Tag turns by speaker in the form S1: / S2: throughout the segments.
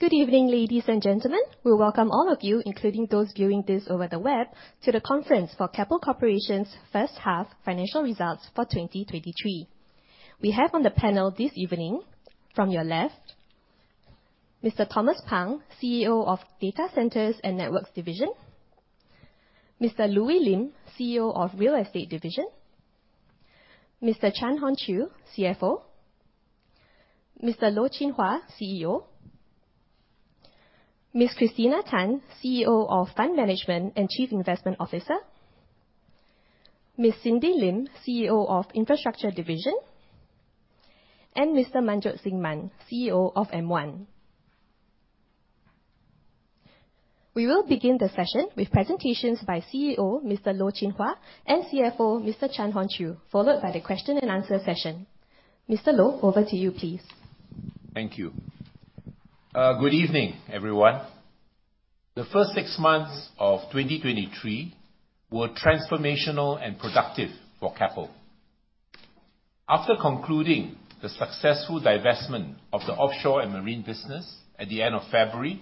S1: Good evening, ladies and gentlemen. We welcome all of you, including those viewing this over the web, to the conference for Keppel Corporation's first half financial results for 2023. We have on the panel this evening, from your left, Mr. Thomas Pang, CEO of Data Centres and Networks division; Mr. Louis Lim, CEO of Real Estate division; Mr. Chan Hon Chew, CFO; Mr. Loh Chin Hua, CEO; Ms. Christina Tan, CEO of Fund Management and Chief Investment Officer; Ms. Cindy Lim, CEO of Infrastructure division; and Mr. Manjot Singh Mann, CEO of M1. We will begin the session with presentations by CEO, Mr. Loh Chin Hua, and CFO, Mr. Chan Hon Chew, followed by the question and answer session. Mr. Loh, over to you, please.
S2: Thank you. Good evening, everyone. The first 6 months of 2023 were transformational and productive for Keppel. After concluding the successful divestment of the offshore and marine business at the end of February,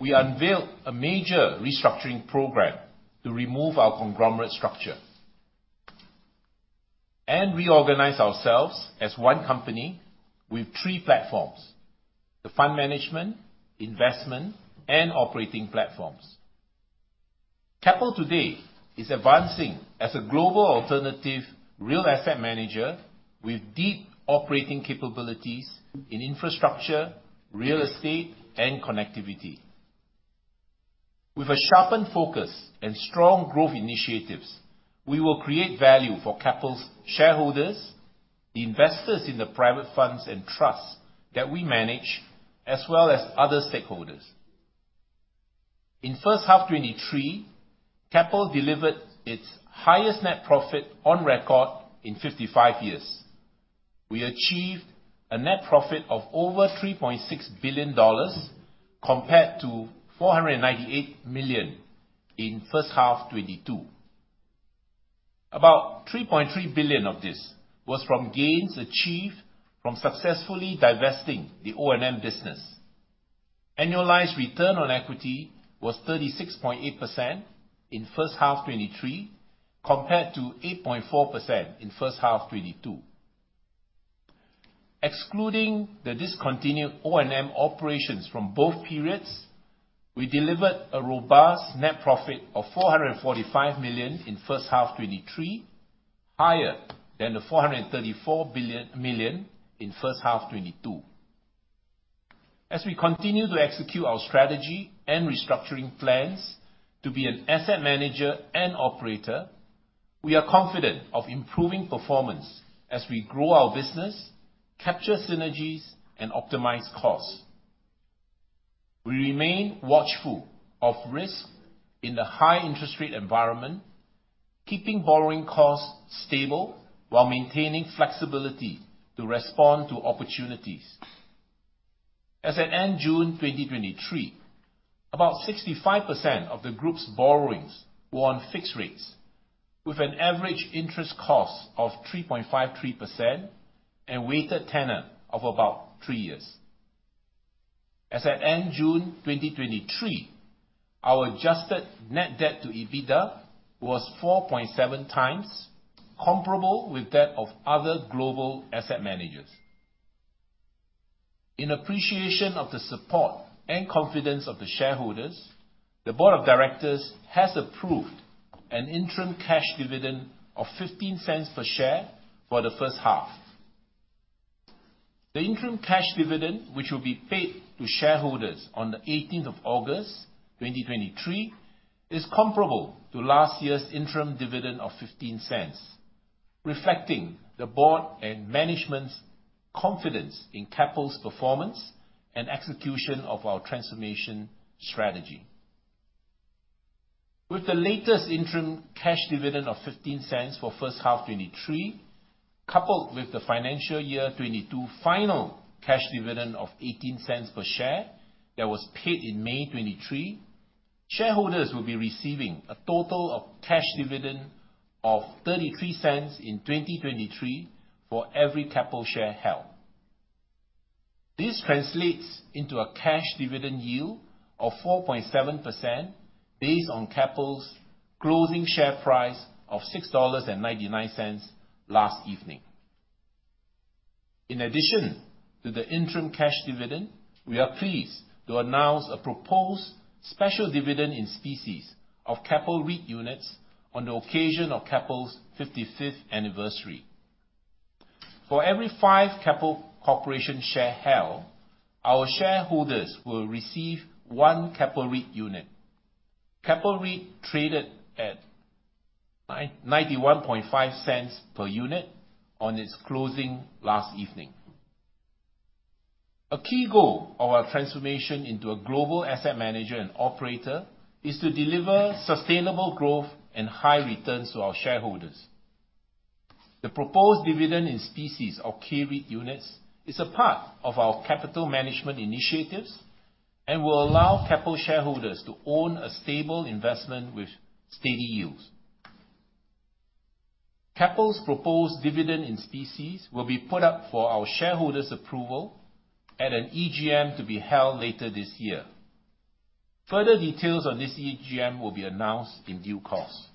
S2: we unveiled a major restructuring program to remove our conglomerate structure and reorganize ourselves as 1 company with 3 platforms: the fund management, investment, and operating platforms. Keppel today is advancing as a global alternative, real asset manager with deep operating capabilities in infrastructure, real estate, and connectivity. With a sharpened focus and strong growth initiatives, we will create value for Keppel's shareholders, investors in the private funds and trusts that we manage, as well as other stakeholders. In first half 2023, Keppel delivered its highest net profit on record in 55 years. We achieved a net profit of over 3.6 billion dollars compared to 498 million in 1H 2022. About 3.3 billion of this was from gains achieved from successfully divesting the O&M business. Annualized return on equity was 36.8% in 1H 2023, compared to 8.4% in 1H 2022. Excluding the discontinued O&M operations from both periods, we delivered a robust net profit of 445 million in 1H 2023, higher than the 434 million in 1H 2022. As we continue to execute our strategy and restructuring plans to be an asset manager and operator, we are confident of improving performance as we grow our business, capture synergies, and optimize costs. We remain watchful of risk in the high interest rate environment, keeping borrowing costs stable while maintaining flexibility to respond to opportunities. As at end June 2023, about 65% of the group's borrowings were on fixed rates, with an average interest cost of 3.53% and weighted tenor of about 3 years. As at end June 2023, our adjusted net debt to EBITDA was 4.7 times, comparable with that of other global asset managers. In appreciation of the support and confidence of the shareholders, the board of directors has approved an interim cash dividend of 0.15 per share for the first half. The interim cash dividend, which will be paid to shareholders on the 18th of August 2023, is comparable to last year's interim dividend of 0.15, reflecting the board and management's confidence in Keppel's performance and execution of our transformation strategy. With the latest interim cash dividend of 0.15 for first half 2023, coupled with the financial year 2022 final cash dividend of 0.18 per share that was paid in May 2023, shareholders will be receiving a total of cash dividend of 0.33 in 2023 for every Keppel share held. This translates into a cash dividend yield of 4.7% based on Keppel's closing share price of 6.99 dollars last evening. In addition to the interim cash dividend, we are pleased to announce a proposed special dividend in specie of Keppel REIT units on the occasion of Keppel's 55th anniversary. For every five Keppel Corporation share held, our shareholders will receive one Keppel REIT unit. Keppel REIT traded at 0.915 per unit on its closing last evening. A key goal of our transformation into a global asset manager and operator is to deliver sustainable growth and high returns to our shareholders. The proposed dividend in specie of K-REIT units is a part of our capital management initiatives and will allow Keppel shareholders to own a stable investment with steady yields. Keppel's proposed dividend in specie will be put up for our shareholders' approval at an EGM to be held later this year. Further details on this EGM will be announced in due course.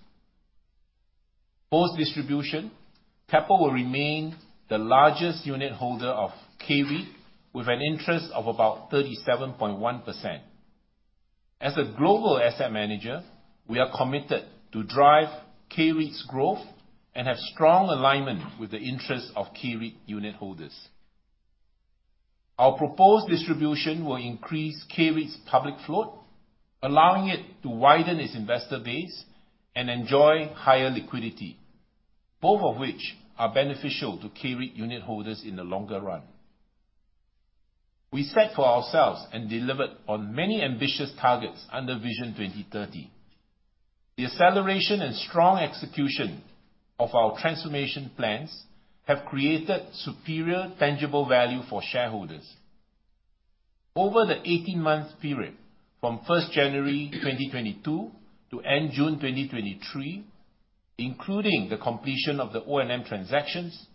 S2: Post-distribution, Keppel will remain the largest unit holder of K-REIT, with an interest of about 37.1%. As a global asset manager, we are committed to drive K-REIT's growth and have strong alignment with the interests of K-REIT unit holders. Our proposed distribution will increase K-REIT's public float, allowing it to widen its investor base and enjoy higher liquidity, both of which are beneficial to K-REIT unit holders in the longer run. We set for ourselves and delivered on many ambitious targets under Vision 2030. The acceleration and strong execution of our transformation plans have created superior, tangible value for shareholders. Over the 18-month period, from first January 2022 to end June 2023, including the completion of the O&M transactions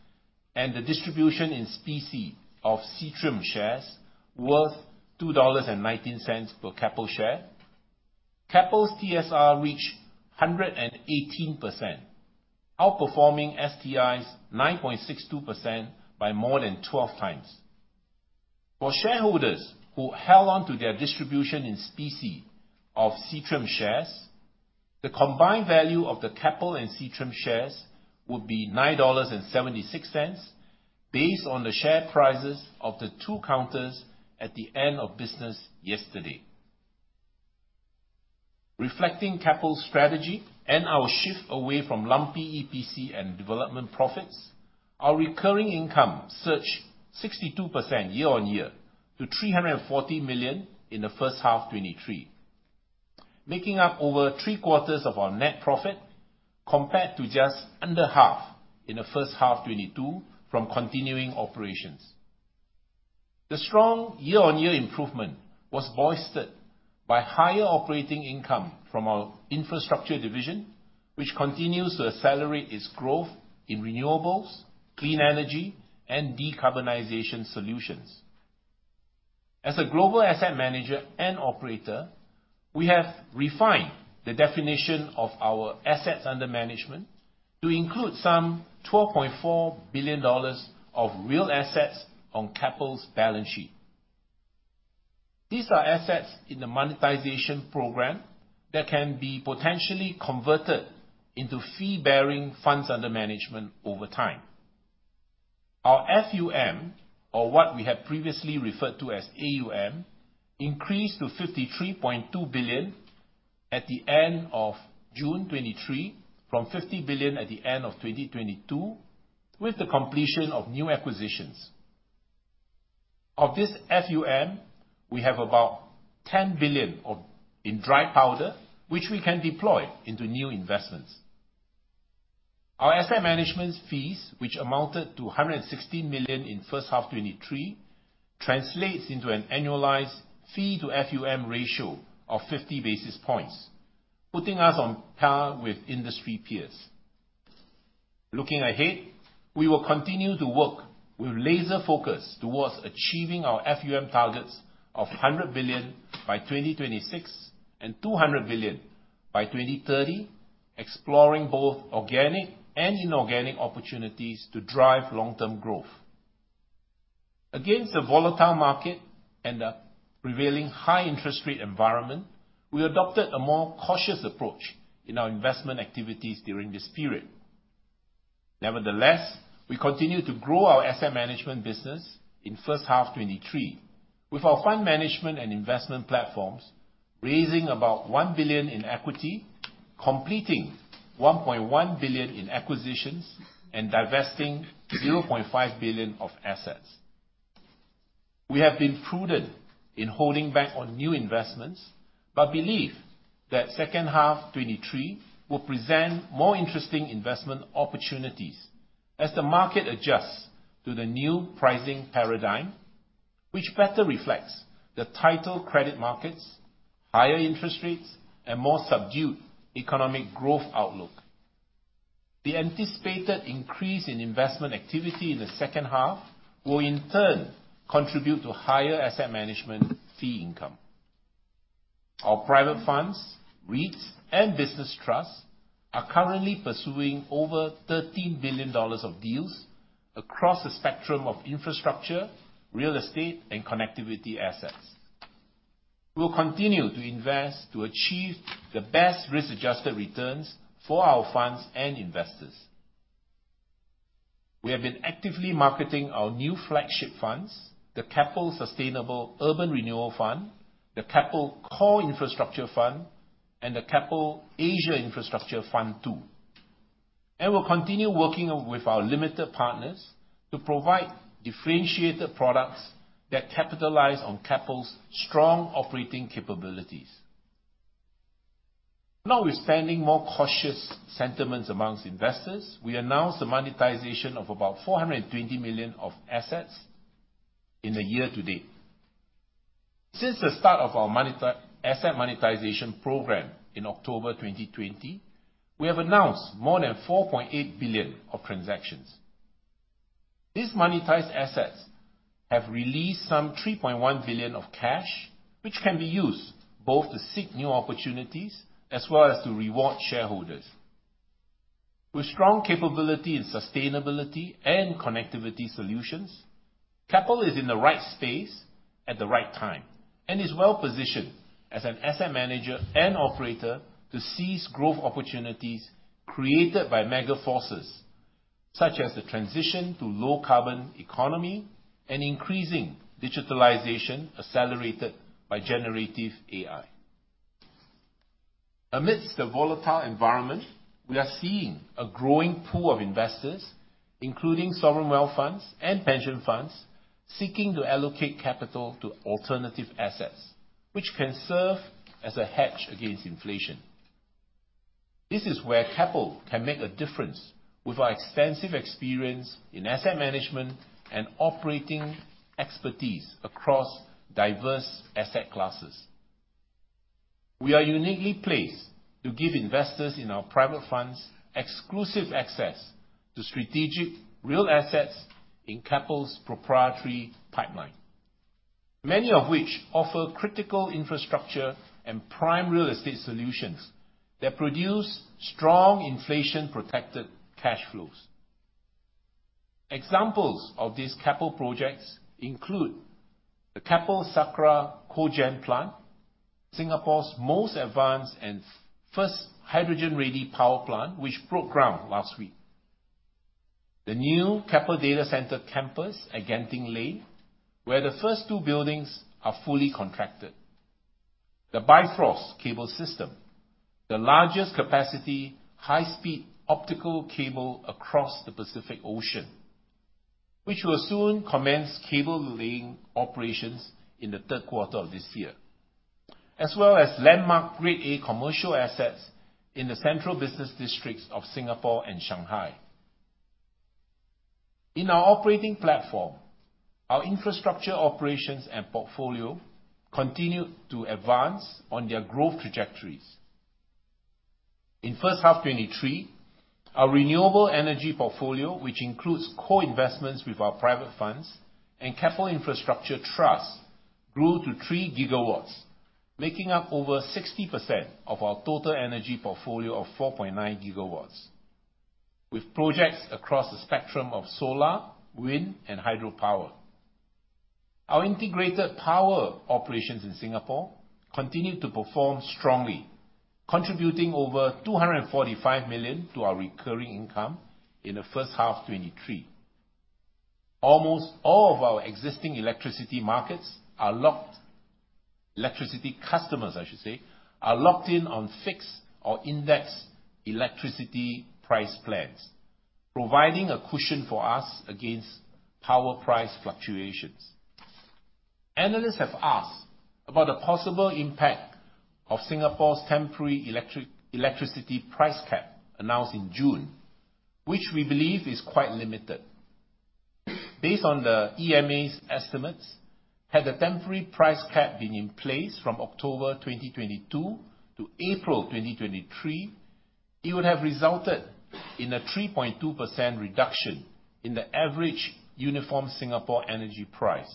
S2: and the distribution in specie of Seatrium shares worth 2.19 dollars per Keppel share, Keppel's TSR reached 118%, outperforming STI's 9.62% by more than 12 times. For shareholders who held on to their distribution in specie of Seatrium shares, the combined value of the Keppel and Seatrium shares would be 9.76 dollars, based on the share prices of the two counters at the end of business yesterday. Reflecting Keppel's strategy and our shift away from lumpy EPC and development profits, our recurring income surged 62% year-on-year to 340 million in the first half 2023, making up over three-quarters of our net profit, compared to just under half in the first half 2022 from continuing operations. The strong year-on-year improvement was bolstered by higher operating income from our infrastructure division, which continues to accelerate its growth in renewables, clean energy, and decarbonization solutions. As a global asset manager and operator, we have refined the definition of our assets under management to include some SGD 12.4 billion of real assets on Keppel's balance sheet. These are assets in the monetization program that can be potentially converted into fee-bearing funds under management over time. Our FUM, or what we have previously referred to as AUM, increased to 53.2 billion at the end of June 2023, from 50 billion at the end of 2022, with the completion of new acquisitions. Of this FUM, we have about 10 billion in dry powder, which we can deploy into new investments. Our asset management fees, which amounted to 116 million in first half 2023, translates into an annualized fee to FUM ratio of 50 basis points, putting us on par with industry peers. Looking ahead, we will continue to work with laser focus towards achieving our FUM targets of 100 billion by 2026 and 200 billion by 2030, exploring both organic and inorganic opportunities to drive long-term growth. Against a volatile market and a prevailing high interest rate environment, we adopted a more cautious approach in our investment activities during this period. Nevertheless, we continue to grow our asset management business in first half 2023, with our fund management and investment platforms raising about 1 billion in equity, completing 1.1 billion in acquisitions, and divesting 0.5 billion of assets. We have been prudent in holding back on new investments, but believe that second half 2023 will present more interesting investment opportunities as the market adjusts to the new pricing paradigm, which better reflects the tighter credit markets, higher interest rates, and more subdued economic growth outlook. The anticipated increase in investment activity in the second half will, in turn, contribute to higher asset management fee income. Our private funds, REITs, and business trusts are currently pursuing over 13 billion dollars of deals across the spectrum of infrastructure, real estate, and connectivity assets. We will continue to invest to achieve the best risk-adjusted returns for our funds and investors. We have been actively marketing our new flagship funds, the Keppel Sustainable Urban Renewal Fund, the Keppel Core Infrastructure Fund, and the Keppel Asia Infrastructure Fund II, and we'll continue working with our Limited Partners to provide differentiated products that capitalize on Keppel's strong operating capabilities. With spending more cautious sentiments amongst investors, we announced the monetization of about 420 million of assets in the year-to-date. Since the start of our asset monetization program in October 2020, we have announced more than 4.8 billion of transactions. These monetized assets have released some 3.1 billion of cash, which can be used both to seek new opportunities as well as to reward shareholders. With strong capability and sustainability and connectivity solutions, Keppel is in the right space at the right time, and is well-positioned as an asset manager and operator to seize growth opportunities created by mega forces, such as the transition to low-carbon economy and increasing digitalization accelerated by generative AI. Amidst the volatile environment, we are seeing a growing pool of investors, including sovereign wealth funds and pension funds, seeking to allocate capital to alternative assets, which can serve as a hedge against inflation. This is where Keppel can make a difference with our extensive experience in asset management and operating expertise across diverse asset classes. We are uniquely placed to give investors in our private funds exclusive access to strategic real assets in Keppel's proprietary pipeline, many of which offer critical infrastructure and prime real estate solutions that produce strong inflation-protected cash flows. Examples of these Keppel projects include the Keppel Sakra Cogen Plant, Singapore's most advanced and first hydrogen-ready power plant, which broke ground last week. The new Keppel Data Center campus at Genting Lane, where the first two buildings are fully contracted. The Bifrost Cable System, the largest capacity, high-speed optical cable across the Pacific Ocean, which will soon commence cable laying operations in the third quarter of this year, as well as landmark Grade A commercial assets in the central business districts of Singapore and Shanghai. In our operating platform, our infrastructure operations and portfolio continued to advance on their growth trajectories. In first half 2023, our renewable energy portfolio, which includes co-investments with our private funds and Keppel Infrastructure Trust, grew to 3 GW, making up over 60% of our total energy portfolio of 4.9 GW, with projects across the spectrum of solar, wind, and hydropower. Our integrated power operations in Singapore continued to perform strongly, contributing over 245 million to our recurring income in the first half 2023. Almost all of our existing electricity customers, I should say, are locked in on fixed or index electricity price plans, providing a cushion for us against power price fluctuations. Analysts have asked about the possible impact of Singapore's temporary electricity price cap announced in June, which we believe is quite limited. Based on the EMA's estimates, had the temporary price cap been in place from October 2022 to April 2023, it would have resulted in a 3.2% reduction in the average uniform Singapore energy price.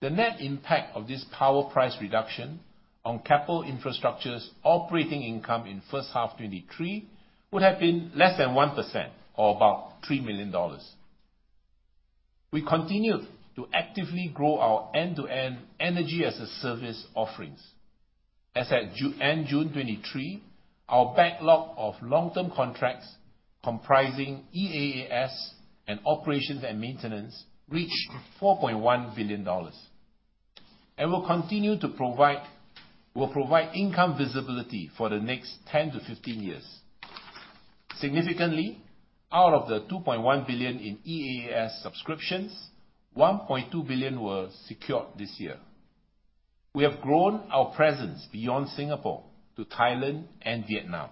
S2: The net impact of this power price reduction on Keppel Infrastructure's operating income in first half 2023 would have been less than 1%, or about 3 million dollars. We continued to actively grow our end-to-end energy as a service offerings. As at end June 2023, our backlog of long-term contracts, comprising EAAS and operations and maintenance, reached 4.1 billion dollars and will provide income visibility for the next 10 to 15 years. Significantly, out of the 2.1 billion in EAAS subscriptions, 1.2 billion were secured this year. We have grown our presence beyond Singapore to Thailand and Vietnam.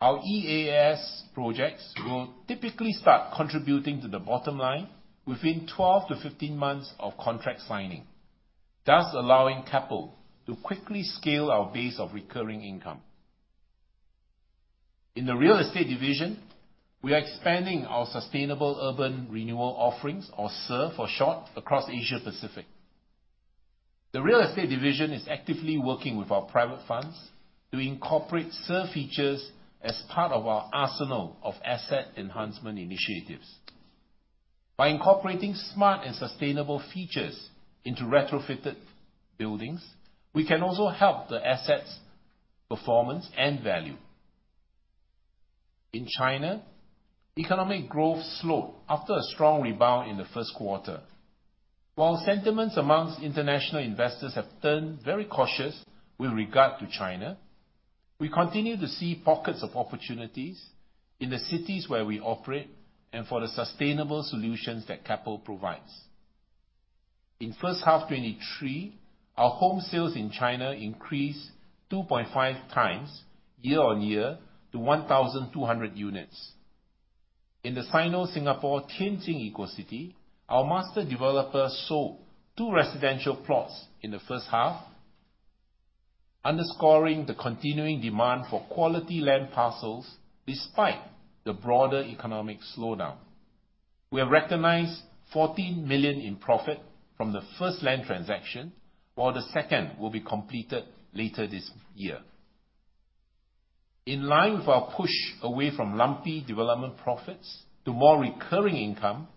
S2: Our EAAS projects will typically start contributing to the bottom line within 12-15 months of contract signing, thus allowing Keppel to quickly scale our base of recurring income. In the real estate division, we are expanding our Sustainable Urban Renewal offerings, or SUR for short, across Asia Pacific. The real estate division is actively working with our private funds to incorporate SUR features as part of our arsenal of asset enhancement initiatives. By incorporating smart and sustainable features into retrofitted buildings, we can also help the asset's performance and value. In China, economic growth slowed after a strong rebound in the first quarter. While sentiments amongst international investors have turned very cautious with regard to China, we continue to see pockets of opportunities in the cities where we operate and for the sustainable solutions that Keppel provides. In first half 2023, our home sales in China increased 2.5 times year-on-year to 1,200 units. In the Sino-Singapore Tianjin Eco-City, our master developer sold two residential plots in the first half, underscoring the continuing demand for quality land parcels despite the broader economic slowdown. We have recognized 14 million in profit from the first land transaction, while the second will be completed later this year. In line with our push away from lumpy development profits to more recurring income,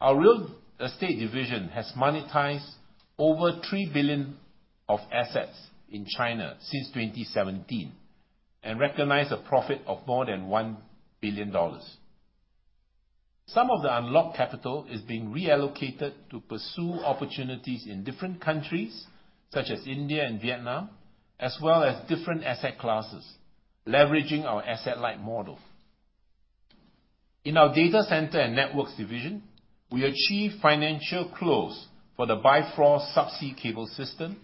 S2: our real estate division has monetized over 3 billion of assets in China since 2017, and recognized a profit of more than 1 billion dollars. Some of the unlocked capital is being reallocated to pursue opportunities in different countries, such as India and Vietnam, as well as different asset classes, leveraging our asset-light model. In our Data Centres and Networks division, we achieved financial close for the Bifrost Cable System,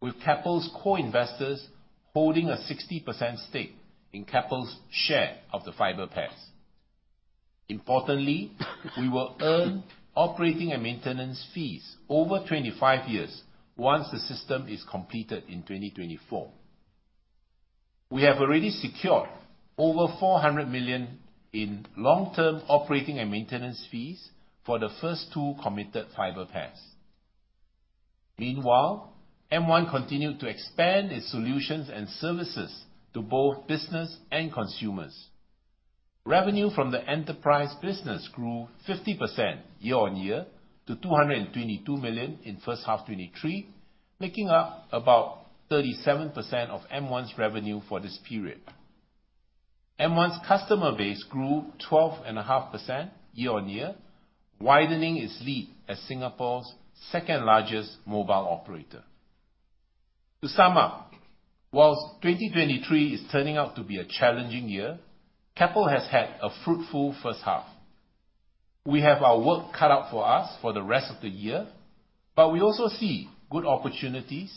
S2: with Keppel's co-investors holding a 60% stake in Keppel's share of the fiber pairs. Importantly, we will earn operating and maintenance fees over 25 years once the system is completed in 2024. We have already secured over 400 million in long-term operating and maintenance fees for the first two committed fiber pairs. Meanwhile, M1 continued to expand its solutions and services to both business and consumers. Revenue from the enterprise business grew 50% year-on-year to 222 million in first half 2023, making up about 37% of M1's revenue for this period. M1's customer base grew 12.5% year-on-year, widening its lead as Singapore's second-largest mobile operator. To sum up, whilst 2023 is turning out to be a challenging year, Keppel has had a fruitful first half. We have our work cut out for us for the rest of the year, we also see good opportunities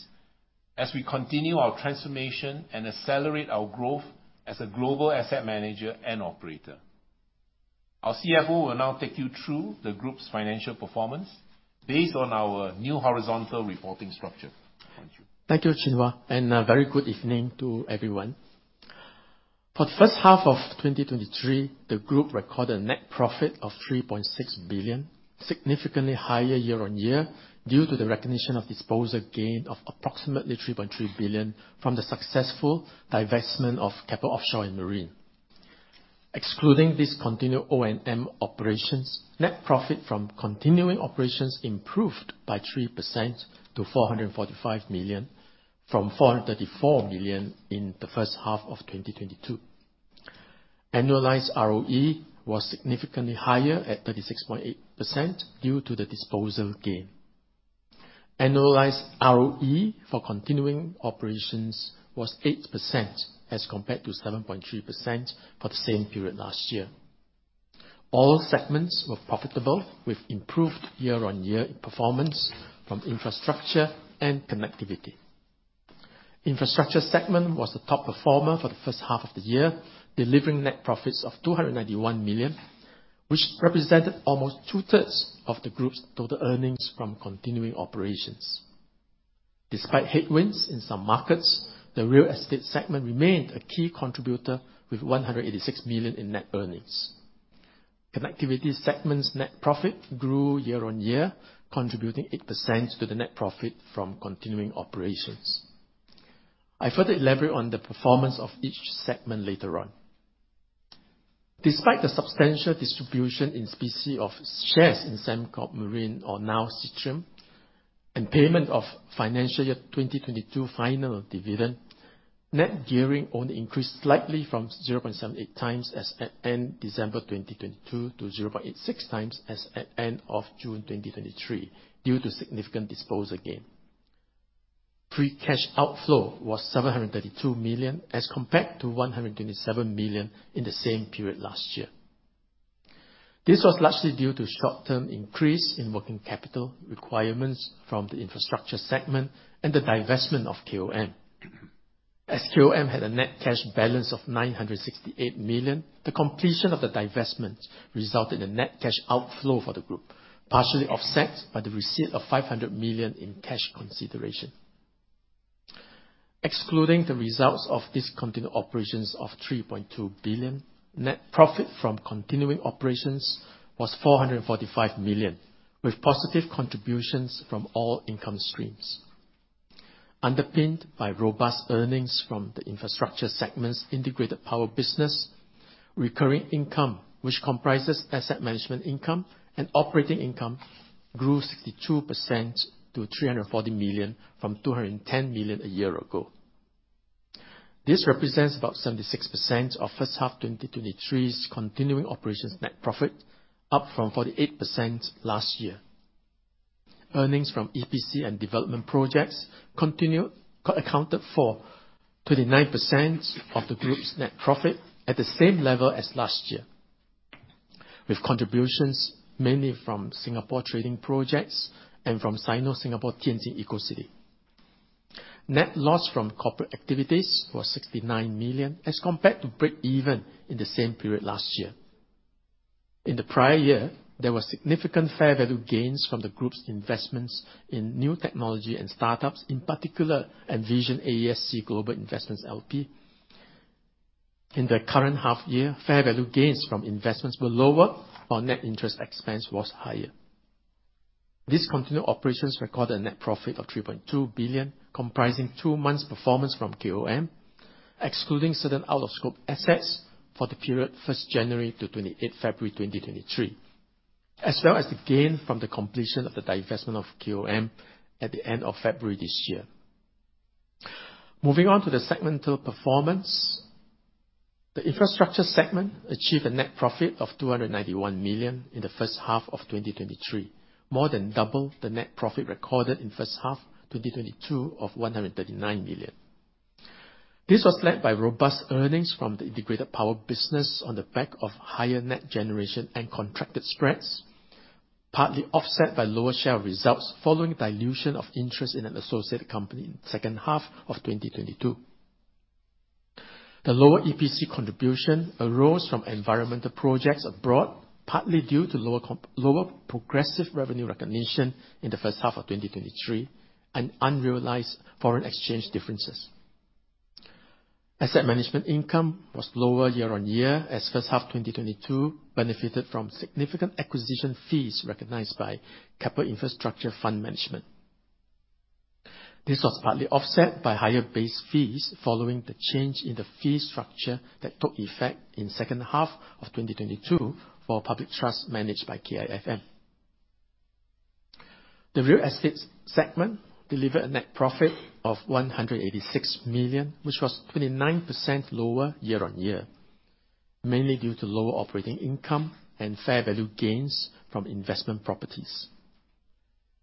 S2: as we continue our transformation and accelerate our growth as a global asset manager and operator. Our CFO will now take you through the group's financial performance based on our new horizontal reporting structure. Thank you.
S3: Thank you, Chin Hua, very good evening to everyone. For the first half of 2023, the group recorded a net profit of 3.6 billion, significantly higher year-on-year, due to the recognition of disposal gain of approximately 3.3 billion from the successful divestment of Keppel Offshore & Marine. Excluding this continued O&M operations, net profit from continuing operations improved by 3% to 445 million, from 434 million in the first half of 2022. Annualized ROE was significantly higher at 36.8% due to the disposal gain. Annualized ROE for continuing operations was 8%, as compared to 7.3% for the same period last year. All segments were profitable, with improved year-on-year performance from infrastructure and connectivity. Infrastructure Segment was the top performer for the first half of the year, delivering net profits of 291 million, which represented almost two-thirds of the group's total earnings from continuing operations. Despite headwinds in some markets, the Real Estate Segment remained a key contributor, with 186 million in net earnings. Connectivity Segment's net profit grew year-on-year, contributing 8% to the net profit from continuing operations. I further elaborate on the performance of each segment later on. Despite the substantial distribution in specie of shares in Sembcorp Marine, or now Seatrium, and payment of financial year 2022 final dividend, net gearing only increased slightly from 0.78 times as at end December 2022, to 0.86 times as at end of June 2023, due to significant disposal gain. Free cash outflow was 732 million, as compared to 127 million in the same period last year. This was largely due to short-term increase in working capital requirements from the infrastructure segment and the divestment of KOM. As KOM had a net cash balance of 968 million, the completion of the divestment resulted in a net cash outflow for the group, partially offset by the receipt of 500 million in cash consideration. Excluding the results of discontinued operations of 3.2 billion, net profit from continuing operations was 445 million, with positive contributions from all income streams. Underpinned by robust earnings from the infrastructure segment's integrated power business, recurring income, which comprises asset management income and operating income, grew 62% to 340 million, from 210 million a year ago. This represents about 76% of first half 2023's continuing operations net profit, up from 48% last year. Earnings from EPC and development projects accounted for 29% of the group's net profit, at the same level as last year, with contributions mainly from Singapore trading projects and from Sino Singapore Tianjin Eco-City. Net loss from corporate activities was 69 million, as compared to breakeven in the same period last year. In the prior year, there were significant fair value gains from the Group's investments in new technology and startups, in particular, Envision AESC Global Investments LP. In the current half year, fair value gains from investments were lower, while net interest expense was higher. These continued operations recorded a net profit of 3.2 billion, comprising 2 months' performance from KOM, excluding certain out-of-scope assets for the period 1st January to 28th February 2023, as well as the gain from the completion of the divestment of KOM at the end of February this year. Moving on to the segmental performance. The infrastructure segment achieved a net profit of 291 million in the 1st half of 2023, more than double the net profit recorded in 1st half 2022 of 139 million. This was led by robust earnings from the integrated power business on the back of higher net generation and contracted spreads, partly offset by lower share results following dilution of interest in an associated company in 2nd half of 2022. The lower EPC contribution arose from environmental projects abroad, partly due to lower progressive revenue recognition in the first half of 2023, and unrealized foreign exchange differences. Asset management income was lower year-on-year, as first half 2022 benefited from significant acquisition fees recognized by Keppel Infrastructure Fund Management. This was partly offset by higher base fees following the change in the fee structure that took effect in second half of 2022 for public trusts managed by KIFM. The real estate segment delivered a net profit of 186 million, which was 29% lower year-on-year, mainly due to lower operating income and fair value gains from investment properties.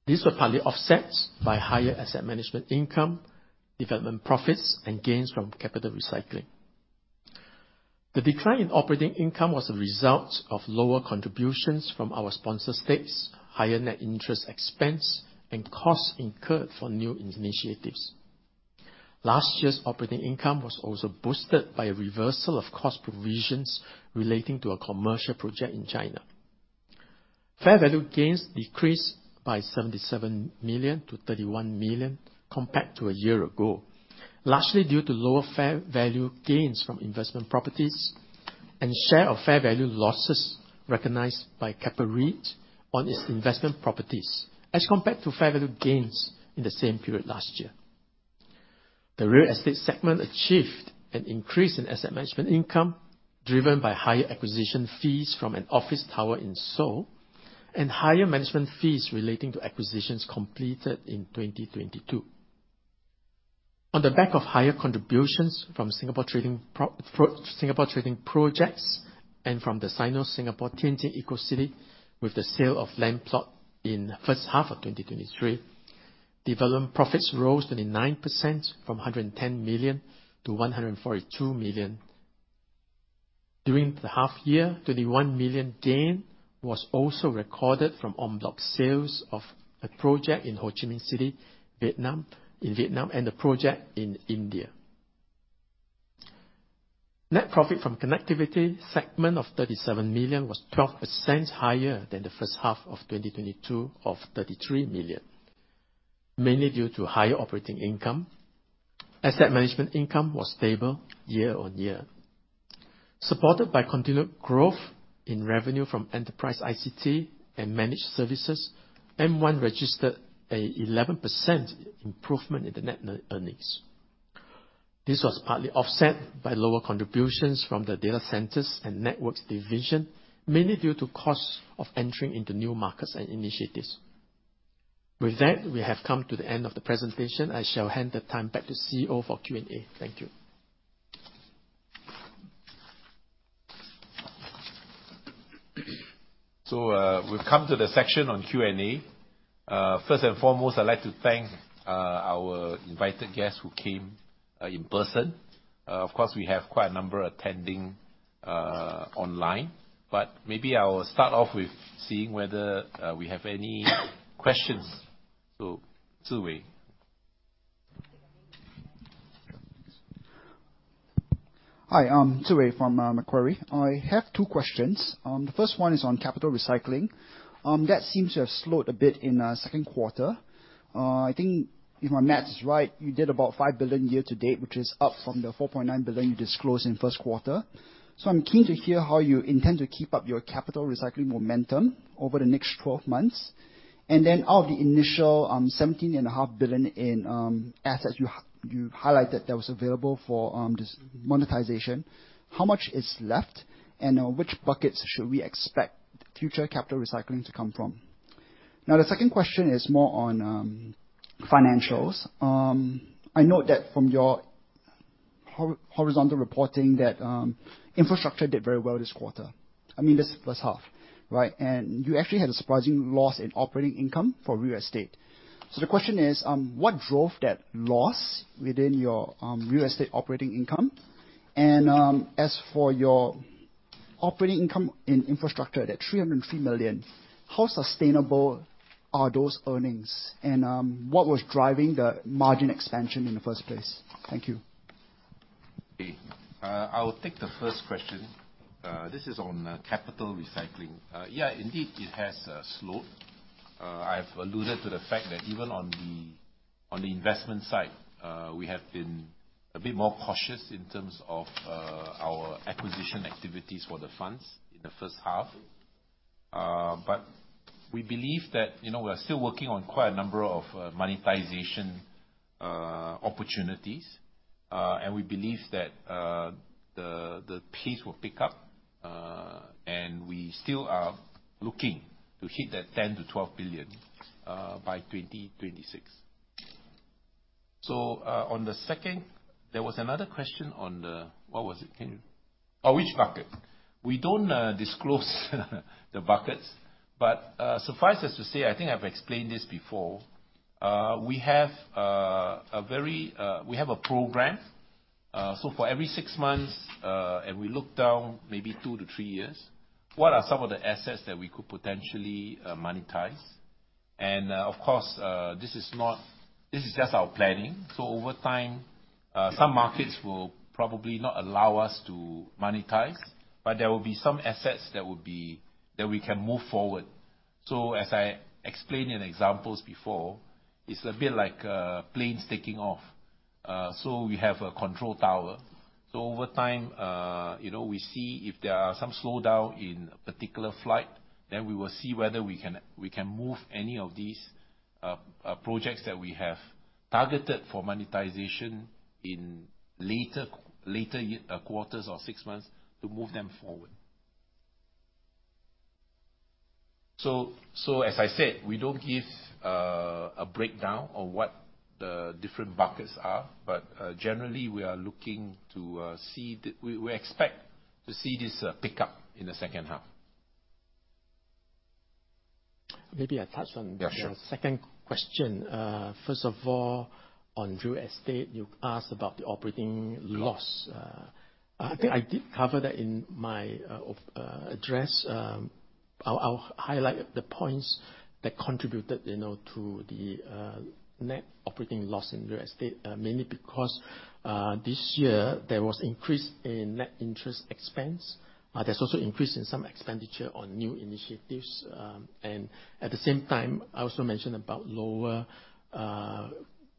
S3: These were partly offset by higher asset management income, development profits, and gains from capital recycling. The decline in operating income was a result of lower contributions from our sponsor stakes, higher net interest expense, and costs incurred for new initiatives. Last year's operating income was also boosted by a reversal of cost provisions relating to a commercial project in China. Fair value gains decreased by 77 million to 31 million compared to a year ago, largely due to lower fair value gains from investment properties and share of fair value losses recognized by Keppel REIT on its investment properties, as compared to fair value gains in the same period last year. The real estate segment achieved an increase in asset management income, driven by higher acquisition fees from an office tower in Seoul, and higher management fees relating to acquisitions completed in 2022. On the back of higher contributions from Singapore trading projects and from the Sino-Singapore Tianjin Eco-City, with the sale of land plot in first half of 2023, development profits rose 29% from 110 million to 142 million. During the half year, 21 million gain was also recorded from en bloc sales of a project in Ho Chi Minh City, Vietnam, and a project in India. Net profit from connectivity segment of 37 million was 12% higher than the first half of 2022, of 33 million, mainly due to higher operating income. Asset management income was stable year-on-year, supported by continued growth in revenue from enterprise ICT and managed services, M1 registered a 11% improvement in the net earnings. This was partly offset by lower contributions from the Data Centres and Networks division, mainly due to costs of entering into new markets and initiatives. With that, we have come to the end of the presentation. I shall hand the time back to CEO for Q&A. Thank you.
S2: We've come to the section on Q&A. First and foremost, I'd like to thank our invited guests who came in person. Of course, we have quite a number attending online. Maybe I will start off with seeing whether we have any questions. Zhiwei.
S4: Hi, I'm Zhiwei from Macquarie. I have two questions. The first one is on capital recycling. That seems to have slowed a bit in second quarter. I think if my math is right, you did about 5 billion year to date, which is up from the 4.9 billion you disclosed in first quarter. I'm keen to hear how you intend to keep up your capital recycling momentum over the next 12 months. Of the initial 17.5 billion in assets you highlighted that was available for this monetization, how much is left, and which buckets should we expect future capital recycling to come from? The second question is more on financials. I note that from your horizontal reporting, that Infrastructure did very well this quarter. I mean, this first half, right? You actually had a surprising loss in operating income for real estate. The question is, what drove that loss within your real estate operating income? As for your operating income in infrastructure, that 303 million, how sustainable are those earnings? What was driving the margin expansion in the first place? Thank you.
S2: I will take the first question. This is on capital recycling. Yeah, indeed, it has slowed. I've alluded to the fact that even on the, on the investment side, we have been a bit more cautious in terms of our acquisition activities for the funds in the first half. We believe that, you know, we're still working on quite a number of monetization opportunities. We believe that the pace will pick up, and we still are looking to hit that 10 billion-12 billion by 2026. On the second, there was another question on the. What was it? Can you? Oh, which bucket? We don't disclose the buckets. Suffice as to say, I think I've explained this before, we have a very, we have a program. For every six months, and we look down maybe two to three years, what are some of the assets that we could potentially monetize? Of course, this is just our planning. Over time, some markets will probably not allow us to monetize, but there will be some assets that we can move forward. As I explained in examples before, it's a bit like planes taking off. We have a control tower. Over time, you know, we see if there are some slowdown in a particular flight, then we will see whether we can move any of these projects that we have targeted for monetization in later quarters or six months to move them forward. As I said, we don't give a breakdown on what the different buckets are, but generally, we expect to see this pick up in the second half.
S3: Maybe I touch on-
S2: Yeah, sure.
S3: the second question. First of all, on Real Estate, you asked about the operating loss. I think I did cover that in my address. I'll highlight the points that contributed, you know, to the net operating loss in Real Estate, mainly because this year there was increase in net interest expense. There's also increase in some expenditure on new initiatives. At the same time, I also mentioned about lower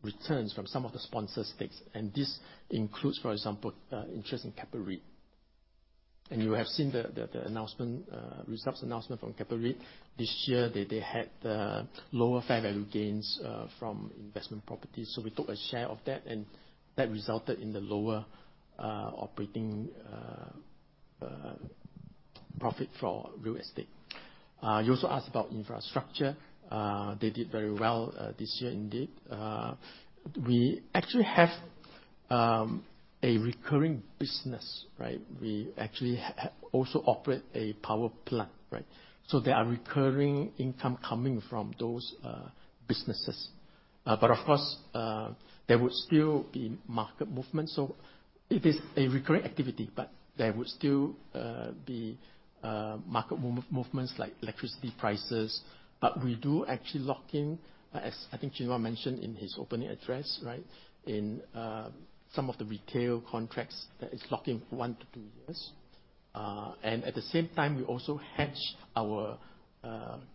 S3: returns from some of the sponsors stakes. This includes, for example, interest in Keppel REIT. You have seen the announcement, results announcement from Keppel REIT. This year, they had lower fair value gains from investment properties, so we took a share of that, and that resulted in the lower operating profit for Real Estate. You also asked about infrastructure. They did very well this year, indeed. We actually have a recurring business, right? We actually also operate a power plant, right? There are recurring income coming from those businesses. Of course, there would still be market movement, so it is a recurring activity, but there would still be market movements like electricity prices. We do actually lock in, as I think Chin Hua mentioned in his opening address, right, in some of the retail contracts, it's locking one to two years. At the same time, we also hedge our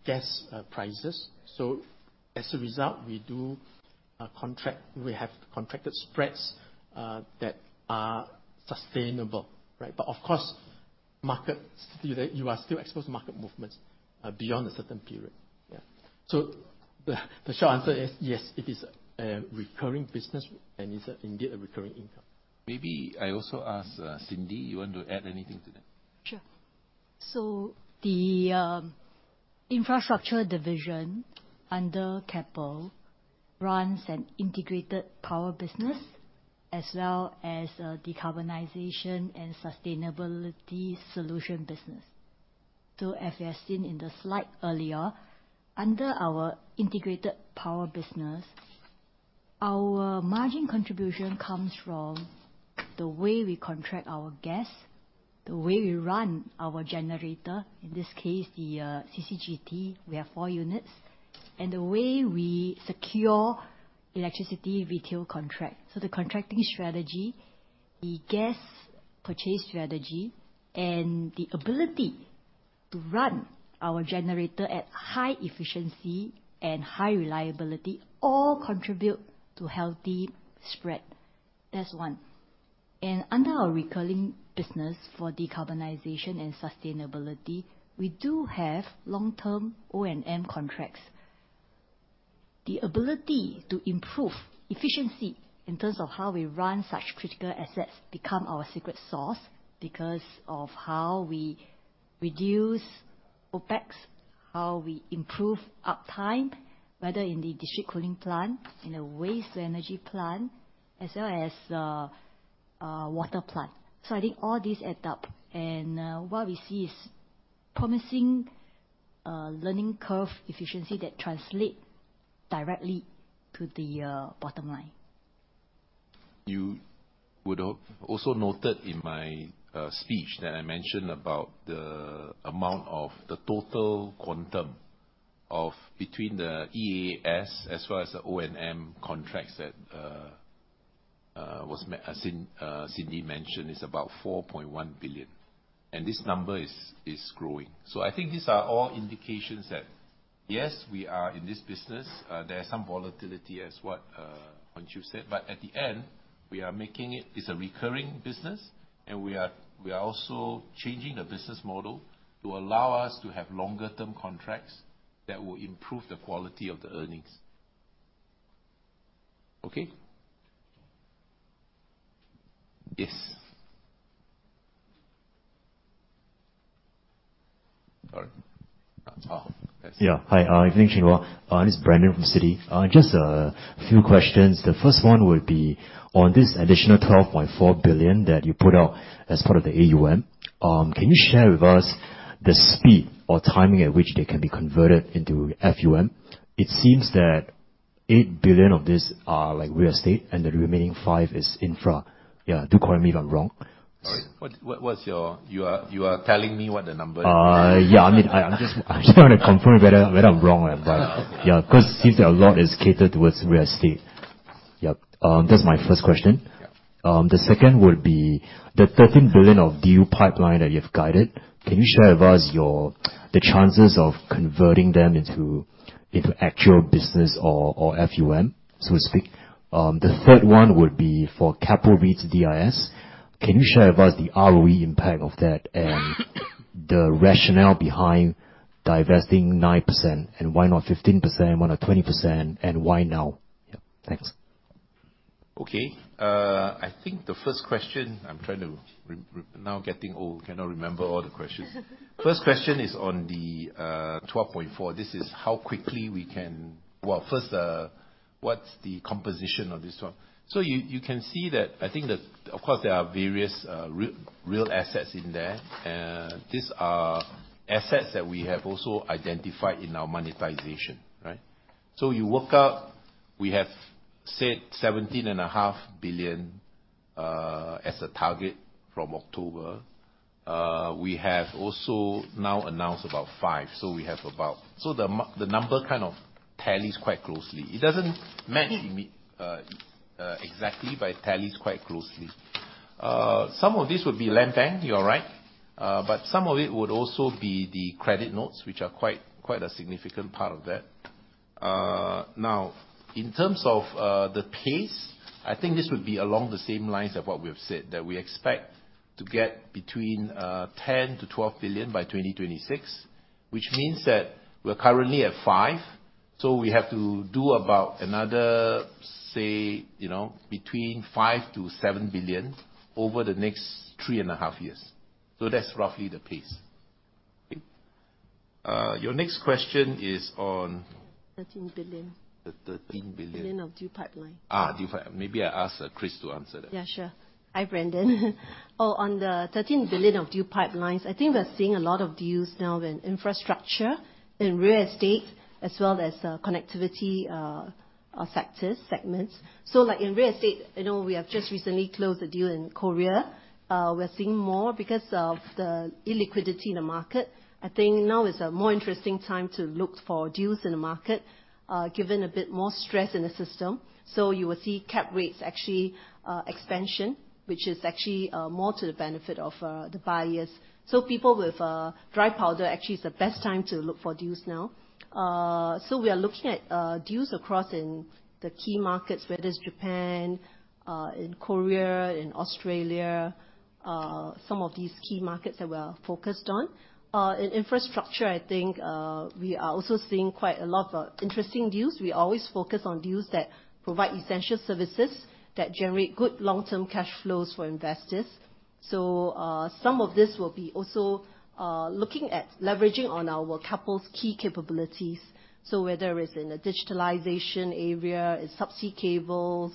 S3: gas prices. As a result, we do we have contracted spreads that are sustainable, right? Of course, market, you are still exposed to market movements beyond a certain period. Yeah. The short answer is, yes, it is a recurring business and is indeed a recurring income.
S2: Maybe I also ask, Cindy, you want to add anything to that?
S5: Sure. The Infrastructure division under Keppel runs an integrated power business, as well as a decarbonization and sustainability solution business. As we have seen in the slide earlier, under our integrated power business, our margin contribution comes from the way we contract our gas, the way we run our generator, in this case, the CCGT, we have four units, and the way we secure electricity retail contract. The contracting strategy, the gas purchase strategy, and the ability to run our generator at high efficiency and high reliability, all contribute to healthy spread. That's one. Under our recurring business for decarbonization and sustainability, we do have long-term O&M contracts. The ability to improve efficiency in terms of how we run such critical assets, become our secret sauce because of how we reduce OpEx, how we improve uptime, whether in the district cooling plant, in a waste energy plant, as well as, water plant. I think all these add up, and what we see is promising learning curve efficiency that translate directly to the bottom line.
S2: You would have also noted in my speech that I mentioned about the amount of the total quantum of between the EAAS as well as the O&M contracts that as in Cindy mentioned, is about 4.1 billion, and this number is growing. I think these are all indications that, yes, we are in this business. There are some volatility as what Hon Chew said, but at the end, we are making it. It's a recurring business, and we are also changing the business model to allow us to have longer-term contracts that will improve the quality of the earnings. Okay? Yes. All right. Oh, yes.
S6: Yeah. Hi, good evening, Chin Hua. This is Brandon from Citi. Just a few questions. The first one would be on this additional 12.4 billion that you put out as part of the AUM. Can you share with us the speed or timing at which they can be converted into FUM? It seems that 8 billion of this are, like, real estate, and the remaining 5 billion is infra. Yeah, do correct me if I'm wrong.
S2: All right. What's your... You are telling me what the number is?
S6: Yeah. I mean, I'm just trying to confirm whether I'm wrong or right. Yeah, 'cause it seems that a lot is catered towards real estate. Yep, that's my first question.
S2: Yeah.
S6: The second would be the 13 billion of deal pipeline that you've guided. Can you share with us the chances of converting them into actual business or FUM, so to speak? The third one would be for Keppel REIT's DIS. Can you share with us the ROE impact of that and the rationale behind divesting 9%, and why not 15%, why not 20%, and why now? Yeah, thanks.
S2: Okay. I think the first question. I'm trying to now getting old, cannot remember all the questions. First question is on the 12.4. This is how quickly we can. Well, first, what's the composition of this one? You can see that I think that, of course, there are various real assets in there, and these are assets that we have also identified in our monetization, right? You work out, we have said 17.5 billion as a target from October. We have also now announced about 5 billion, so we have so the number kind of tallies quite closely. It doesn't match exactly, but it tallies quite closely. Some of this would be land bank, you're right, but some of it would also be the asset-backed securities, which are quite a significant part of that. Now, in terms of the pace, I think this would be along the same lines of what we have said, that we expect to get between 10 billion-12 billion by 2026, which means that we're currently at 5 billion, so we have to do about another, say, you know, between 5 billion-7 billion over the next three and a half years. That's roughly the pace. Okay. Your next question is on.
S7: 13 billion.
S2: The 13 billion.
S7: Billion of deal pipeline.
S2: Maybe I ask Chris to answer that.
S7: Yeah, sure. Hi, Brandon. On the 13 billion of deal pipelines, I think we are seeing a lot of deals now in infrastructure, in real estate, as well as connectivity sectors, segments. Like in real estate, you know, we have just recently closed a deal in Korea. We're seeing more because of the illiquidity in the market. I think now is a more interesting time to look for deals in the market, given a bit more stress in the system. You will see cap rates actually expansion, which is actually more to the benefit of the buyers. People with dry powder, actually it's the best time to look for deals now. We are looking at deals across in the key markets, whether it's Japan, in Korea, in Australia, some of these key markets that we are focused on. In infrastructure, I think, we are also seeing quite a lot of interesting deals. We always focus on deals that provide essential services that generate good long-term cash flows for investors. Some of this will be also looking at leveraging on our Keppel's key capabilities. Whether it's in the digitalization area, it's subsea cables,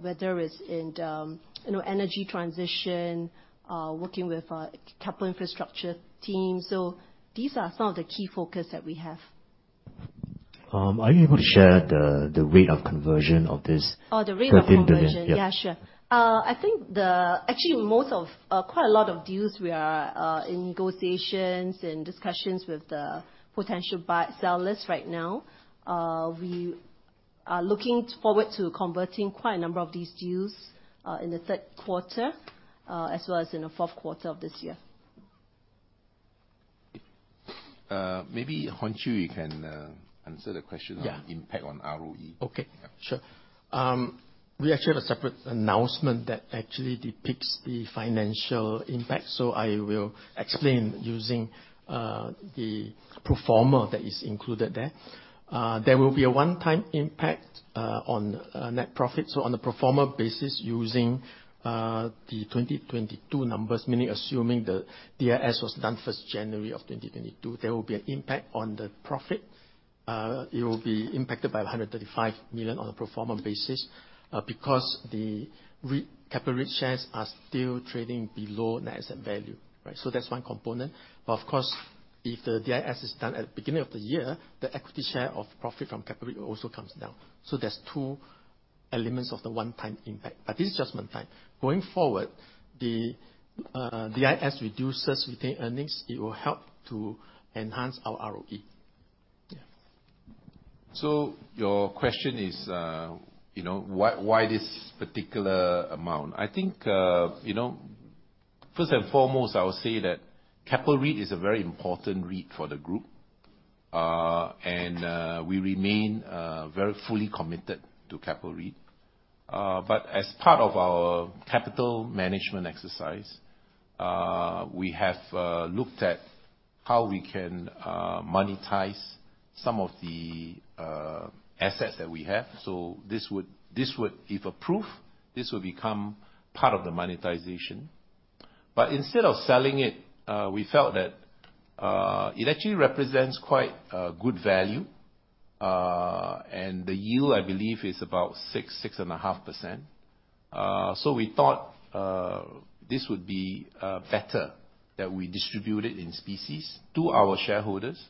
S7: whether it's in, you know, energy transition, working with our Keppel Infrastructure team. These are some of the key focus that we have.
S6: Are you able to share the rate of conversion of this-?
S7: Oh, the rate of conversion?
S6: 13 billion. Yeah.
S7: Yeah, sure. Actually, most of quite a lot of deals we are in negotiations and discussions with the potential buy, sellers right now. We are looking forward to converting quite a number of these deals in the third quarter, as well as in the fourth quarter of this year.
S2: Maybe, Hon Chew, you can answer the question.
S3: Yeah.
S2: on impact on ROE.
S3: Okay.
S2: Yeah.
S3: Sure. We actually had a separate announcement that actually depicts the financial impact, so I will explain using the pro forma that is included there. There will be a one-time impact on net profit. On the pro forma basis, using the 2022 numbers, meaning assuming the DIS was done 1st January of 2022, there will be an impact on the profit. It will be impacted by 135 million on a pro forma basis because Keppel REIT shares are still trading below net asset value, right? That's one component. Of course, if the DIS is done at the beginning of the year, the equity share of profit from Keppel REIT also comes down. There's two elements of the one-time impact, but this is just one time. Going forward, the IS reduces retained earnings, it will help to enhance our ROE. Yeah.
S2: Your question is, you know, why this particular amount? I think, you know, first and foremost, I would say that Keppel REIT is a very important REIT for the group. We remain very fully committed to Keppel REIT. As part of our capital management exercise, we have looked at how we can monetize some of the assets that we have. This would, if approved, this will become part of the monetization. Instead of selling it, we felt that it actually represents quite good value. The yield, I believe, is about 6.5%. We thought this would be better that we distribute it in specie to our shareholders,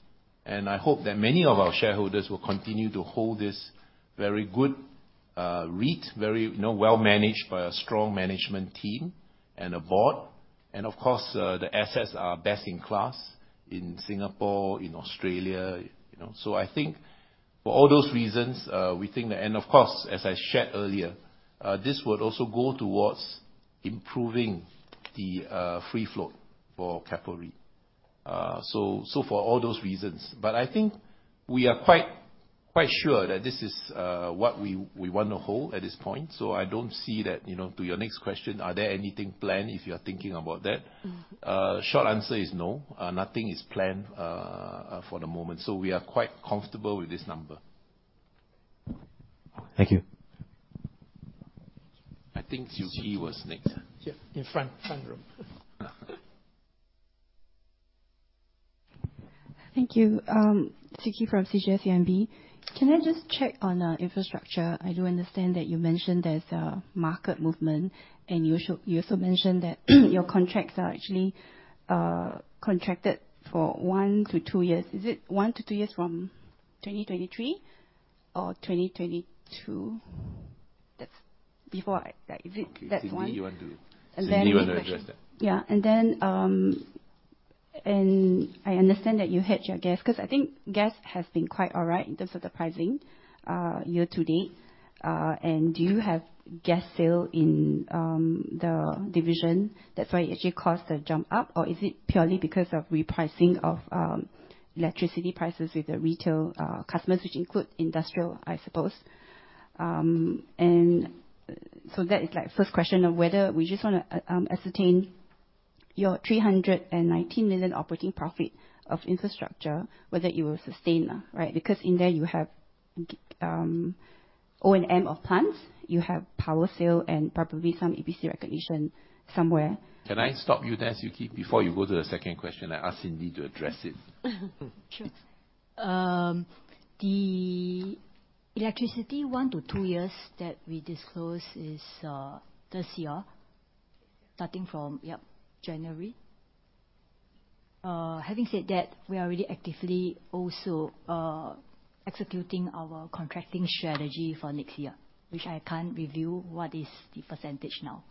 S2: and I hope that many of our shareholders will continue to hold this very good Keppel REIT, very, you know, well managed by a strong management team and a board. Of course, the assets are best in class in Singapore, in Australia, you know. I think for all those reasons, we think that, and of course, as I shared earlier, this would also go towards improving the free flow for Keppel REIT. For all those reasons. I think we are quite sure that this is what we want to hold at this point. I don't see that. You know, to your next question, are there anything planned, if you are thinking about that?
S7: Mm-hmm.
S2: Short answer is no. Nothing is planned for the moment, so we are quite comfortable with this number.
S6: Thank you.
S2: I think Suki was next.
S3: Yep, in front row.
S8: Thank you. Suki from CGS-CIMB. Can I just check on infrastructure? I do understand that you mentioned there's a market movement, and you also mentioned that your contracts are actually contracted for 1-2 years. Is it 1-2 years from 2023 or 2022? That's before I. Like, is it that one?
S2: Okay. Cindy, you want to-
S8: Then the next-
S2: Cindy, you want to address that?
S8: Yeah. I understand that you hedge your gas, 'cause I think gas has been quite all right in terms of the pricing year to date. Do you have gas sale in the division? That's why it actually caused the jump up, or is it purely because of repricing of electricity prices with the retail customers, which include industrial, I suppose? That is, like, first question of whether we just wanna ascertain your 319 million operating profit of infrastructure, whether you will sustain, right? Because in there you have O&M of plants, you have power sale, and probably some EPC recognition somewhere.
S2: Can I stop you there, Suki? Before you go to the second question, I ask Cindy to address it.
S5: Sure. The electricity one to two years that we disclose is this year, starting from, yep, January. Having said that, we are really actively also executing our contracting strategy for next year, which I can't reveal what is the percentage now.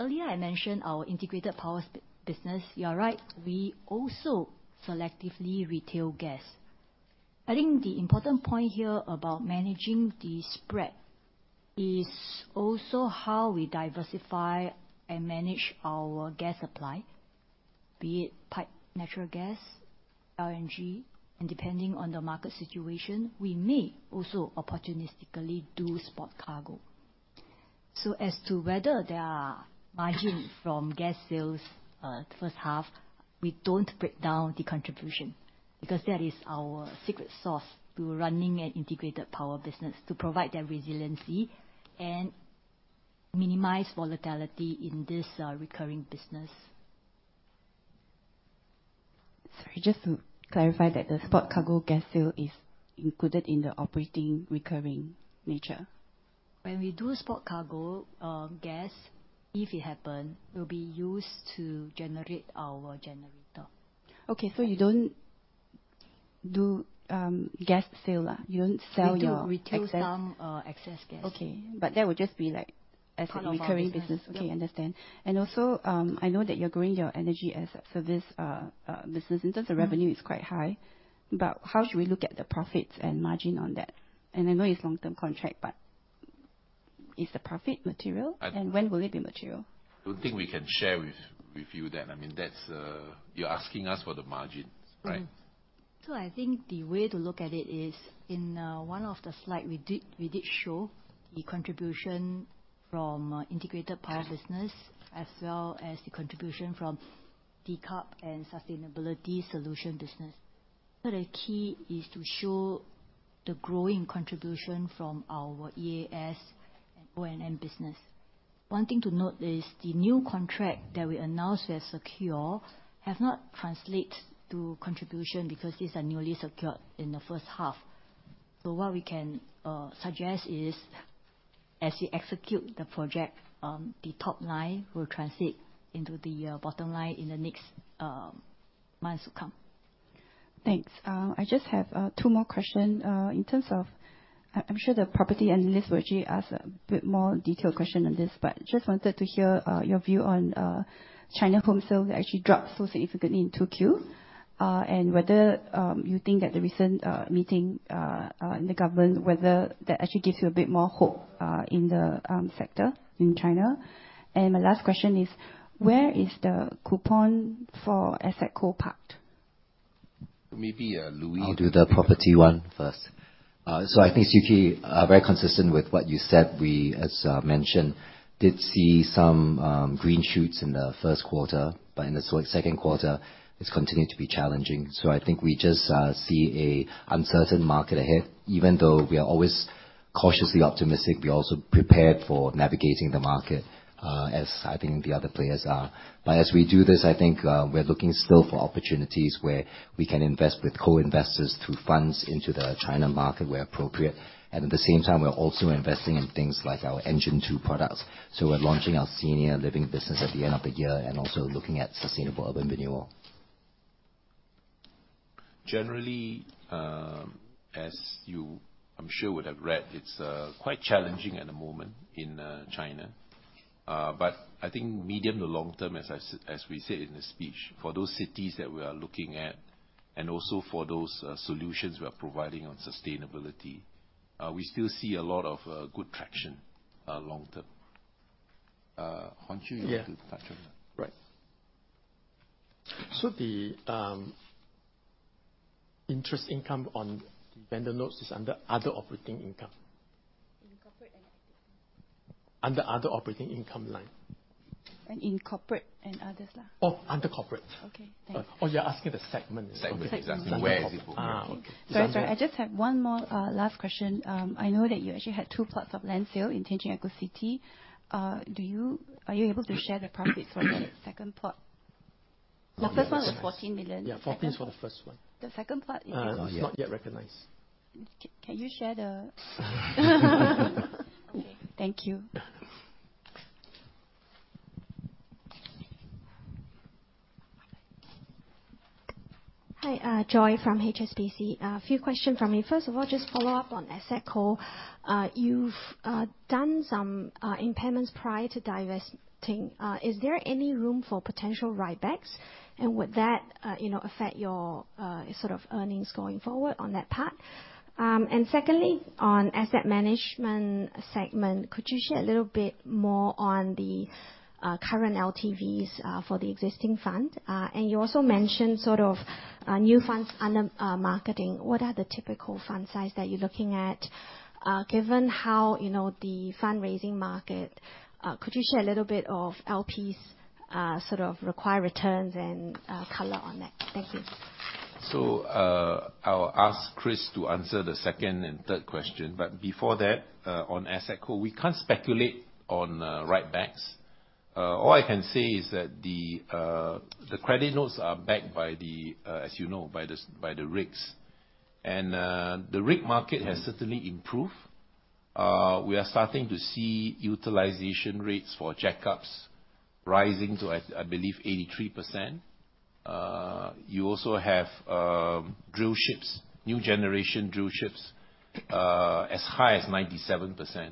S5: Earlier I mentioned our integrated power business. You are right, we also selectively retail gas. I think the important point here about managing the spread is also how we diversify and manage our gas supply, be it pipe natural gas, LNG, and depending on the market situation, we may also opportunistically do spot cargo. As to whether there are margin from gas sales, first half, we don't break down the contribution, because that is our secret sauce to running an integrated power business, to provide that resiliency and minimize volatility in this recurring business.
S8: Sorry, just to clarify that the spot cargo gas sale is included in the operating recurring nature?
S5: When we do spot cargo, gas, if it happen, will be used to generate our generator.
S8: Okay, you don't do, gas sale? You don't sell your
S5: We do retail some excess gas.
S8: Okay. That would just be, like-
S5: Part of our business.
S8: as a recurring business.
S5: Yeah.
S8: Okay, understand. I know that you're growing your energy assets. This business, in terms of revenue, is quite high. How should we look at the profits and margin on that? I know it's long-term contract, but is the profit material-
S2: I-
S8: When will it be material?
S2: Don't think we can share with you then. I mean, that's... You're asking us for the margins, right?
S8: Mm-hmm.
S5: I think the way to look at it is, in one of the slide, we did show the contribution from integrated power business, as well as the contribution from Data Centre+ and sustainability solution business. The key is to show the growing contribution from our EAAS and O&M business. One thing to note is, the new contract that we announced as secure, have not translate to contribution because these are newly secured in the first half. What we can suggest is, as we execute the project, the top line will translate into the bottom line in the next months to come....
S8: Thanks. I just have 2 more questions. In terms of, I'm sure the property analyst will actually ask a bit more detailed question on this, but just wanted to hear your view on China home sales actually dropped so significantly in 2Q. Whether you think that the recent meeting the government, whether that actually gives you a bit more hope in the sector in China? My last question is: where is the coupon for AssetCo parked?
S2: Maybe Louis...
S9: I'll do the property one first. I think, Suki, very consistent with what you said, we, as mentioned, did see some green shoots in the first quarter, but in the second quarter, it's continued to be challenging. I think we just see a uncertain market ahead. Even though we are always cautiously optimistic, we're also prepared for navigating the market, as I think the other players are. As we do this, I think, we're looking still for opportunities where we can invest with co-investors through funds into the China market, where appropriate. At the same time, we're also investing in things like our Engine Two products. We're launching our senior living business at the end of the year and also looking at sustainable urban renewal.
S2: As you, I'm sure, would have read, it's quite challenging at the moment in China. I think medium to long term, as I as we said in the speech, for those cities that we are looking at, and also for those solutions we are providing on sustainability, we still see a lot of good traction, long term. Hon Chew, you want to touch on that?
S3: Yeah. Right. The interest income on the vendor notes is under other operating income.
S8: In corporate and-
S3: Under other operating income line.
S8: In corporate and others line.
S3: Oh, under corporate.
S8: Okay. Thanks.
S3: Oh, you're asking the segment?
S9: Segment, exactly. Where is it?
S3: Okay.
S8: Sorry. I just have one more last question. I know that you actually had two plots of land sale in Tianjin Eco-City. Are you able to share the profits for the second plot?
S9: Oh, yes.
S8: The first one was 14 million.
S3: Yeah, 14 was the first one.
S8: The second plot, you know
S3: It's not yet recognized.
S8: Okay. Thank you.
S10: Hi, Joy from HSBC. A few questions from me. First of all, just follow up on AssetCo. You've done some impairments prior to divesting. Is there any room for potential writebacks? Would that, you know, affect your sort of earnings going forward on that part? Secondly, on asset management segment, could you share a little bit more on the current LTVs for the existing fund? You also mentioned sort of new funds under marketing. What are the typical fund size that you're looking at? Given how, you know, the fundraising market, could you share a little bit of LPs sort of required returns and color on that? Thank you.
S2: I'll ask Chris to answer the second and third question, but before that, on AssetCo, we can't speculate on writebacks. All I can say is that the credit notes are backed by the, as you know, by the rigs. The rig market has certainly improved. We are starting to see utilization rates for jackups rising to, I believe, 83%. You also have drill ships, new generation drill ships, as high as 97%.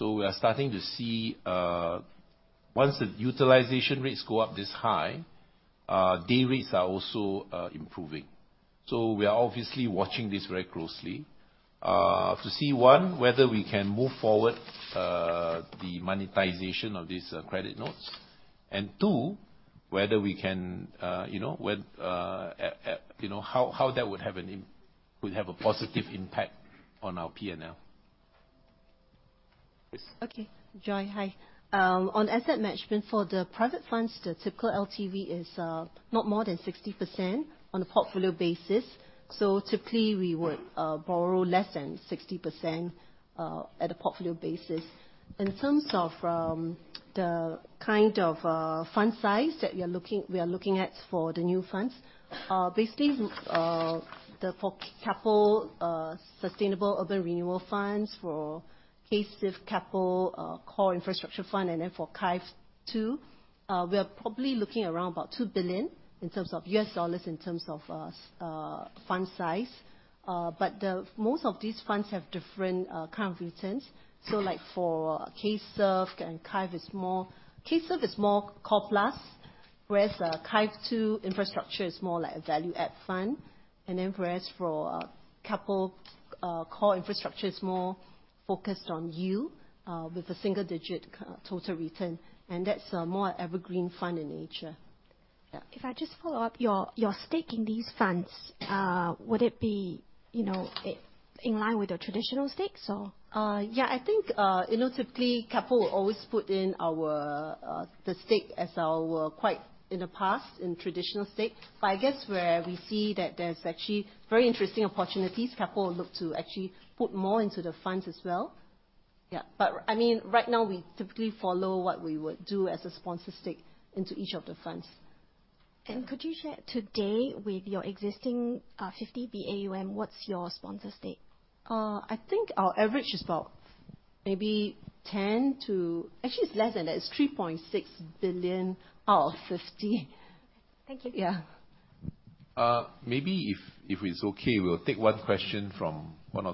S2: We are starting to see. Once the utilization rates go up this high, day rates are also improving. We are obviously watching this very closely, to see, one, whether we can move forward, the monetization of these, credit notes, and two, whether we can, you know, when, you know, how that would have a positive impact on our PNL. Chris?
S7: Okay, Joy, hi. On asset management, for the private funds, the typical LTV is not more than 60% on a portfolio basis. Typically, we would borrow less than 60% at a portfolio basis. In terms of the kind of fund size that we are looking at for the new funds, basically, for Keppel Sustainable Urban Renewal Funds, for KSURF, Keppel Core Infrastructure Fund, and then for KAIF II, we are probably looking around about $2 billion in terms of fund size. Most of these funds have different current returns. Like for KSURF is more core-plus, whereas KAIF II Infrastructure is more like a value-add fund. Whereas for, Keppel Core Infrastructure is more focused on yield, with a single digit total return, and that's more evergreen fund in nature. Yeah.
S10: If I just follow up, your stake in these funds, would it be, you know, it, in line with your traditional stakes or?
S7: Yeah, I think, you know, typically, Keppel will always put in our the stake as our quite in the past in traditional stake. I guess where we see that there's actually very interesting opportunities, Keppel will look to actually put more into the funds as well. I mean, right now, we typically follow what we would do as a sponsor stake into each of the funds.
S10: Could you share today, with your existing 50 AUM, what's your sponsor stake?
S7: I think our average is maybe 10 to, actually it's less than that, it's 3.6 billion out of 50.
S10: Thank you.
S7: Yeah.
S2: Maybe if it's okay, we'll take one or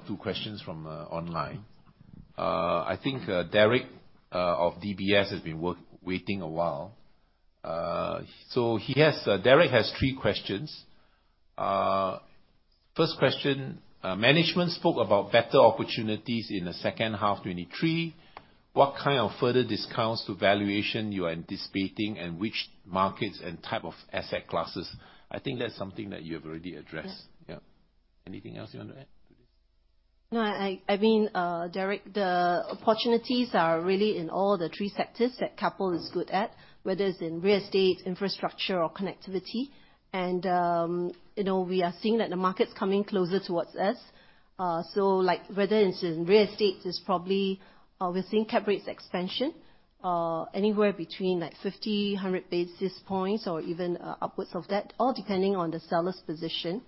S2: two questions from online. I think Derek of DBS has been waiting a while. He has, Derek has three questions. First question: management spoke about better opportunities in the second half 2023. What kind of further discounts to valuation you are anticipating, and which markets and type of asset classes? I think that's something that you have already addressed.
S7: Yeah.
S2: Yeah. Anything else you want to add to this?
S7: No, I mean, Derek, the opportunities are really in all the three sectors that Keppel is good at, whether it's in real estate, infrastructure or connectivity. You know, we are seeing that the market's coming closer towards us. Like, whether it's in real estate, it's probably within cap rates expansion, anywhere between, like, 50, 100 basis points or even upwards of that, all depending on the seller's position.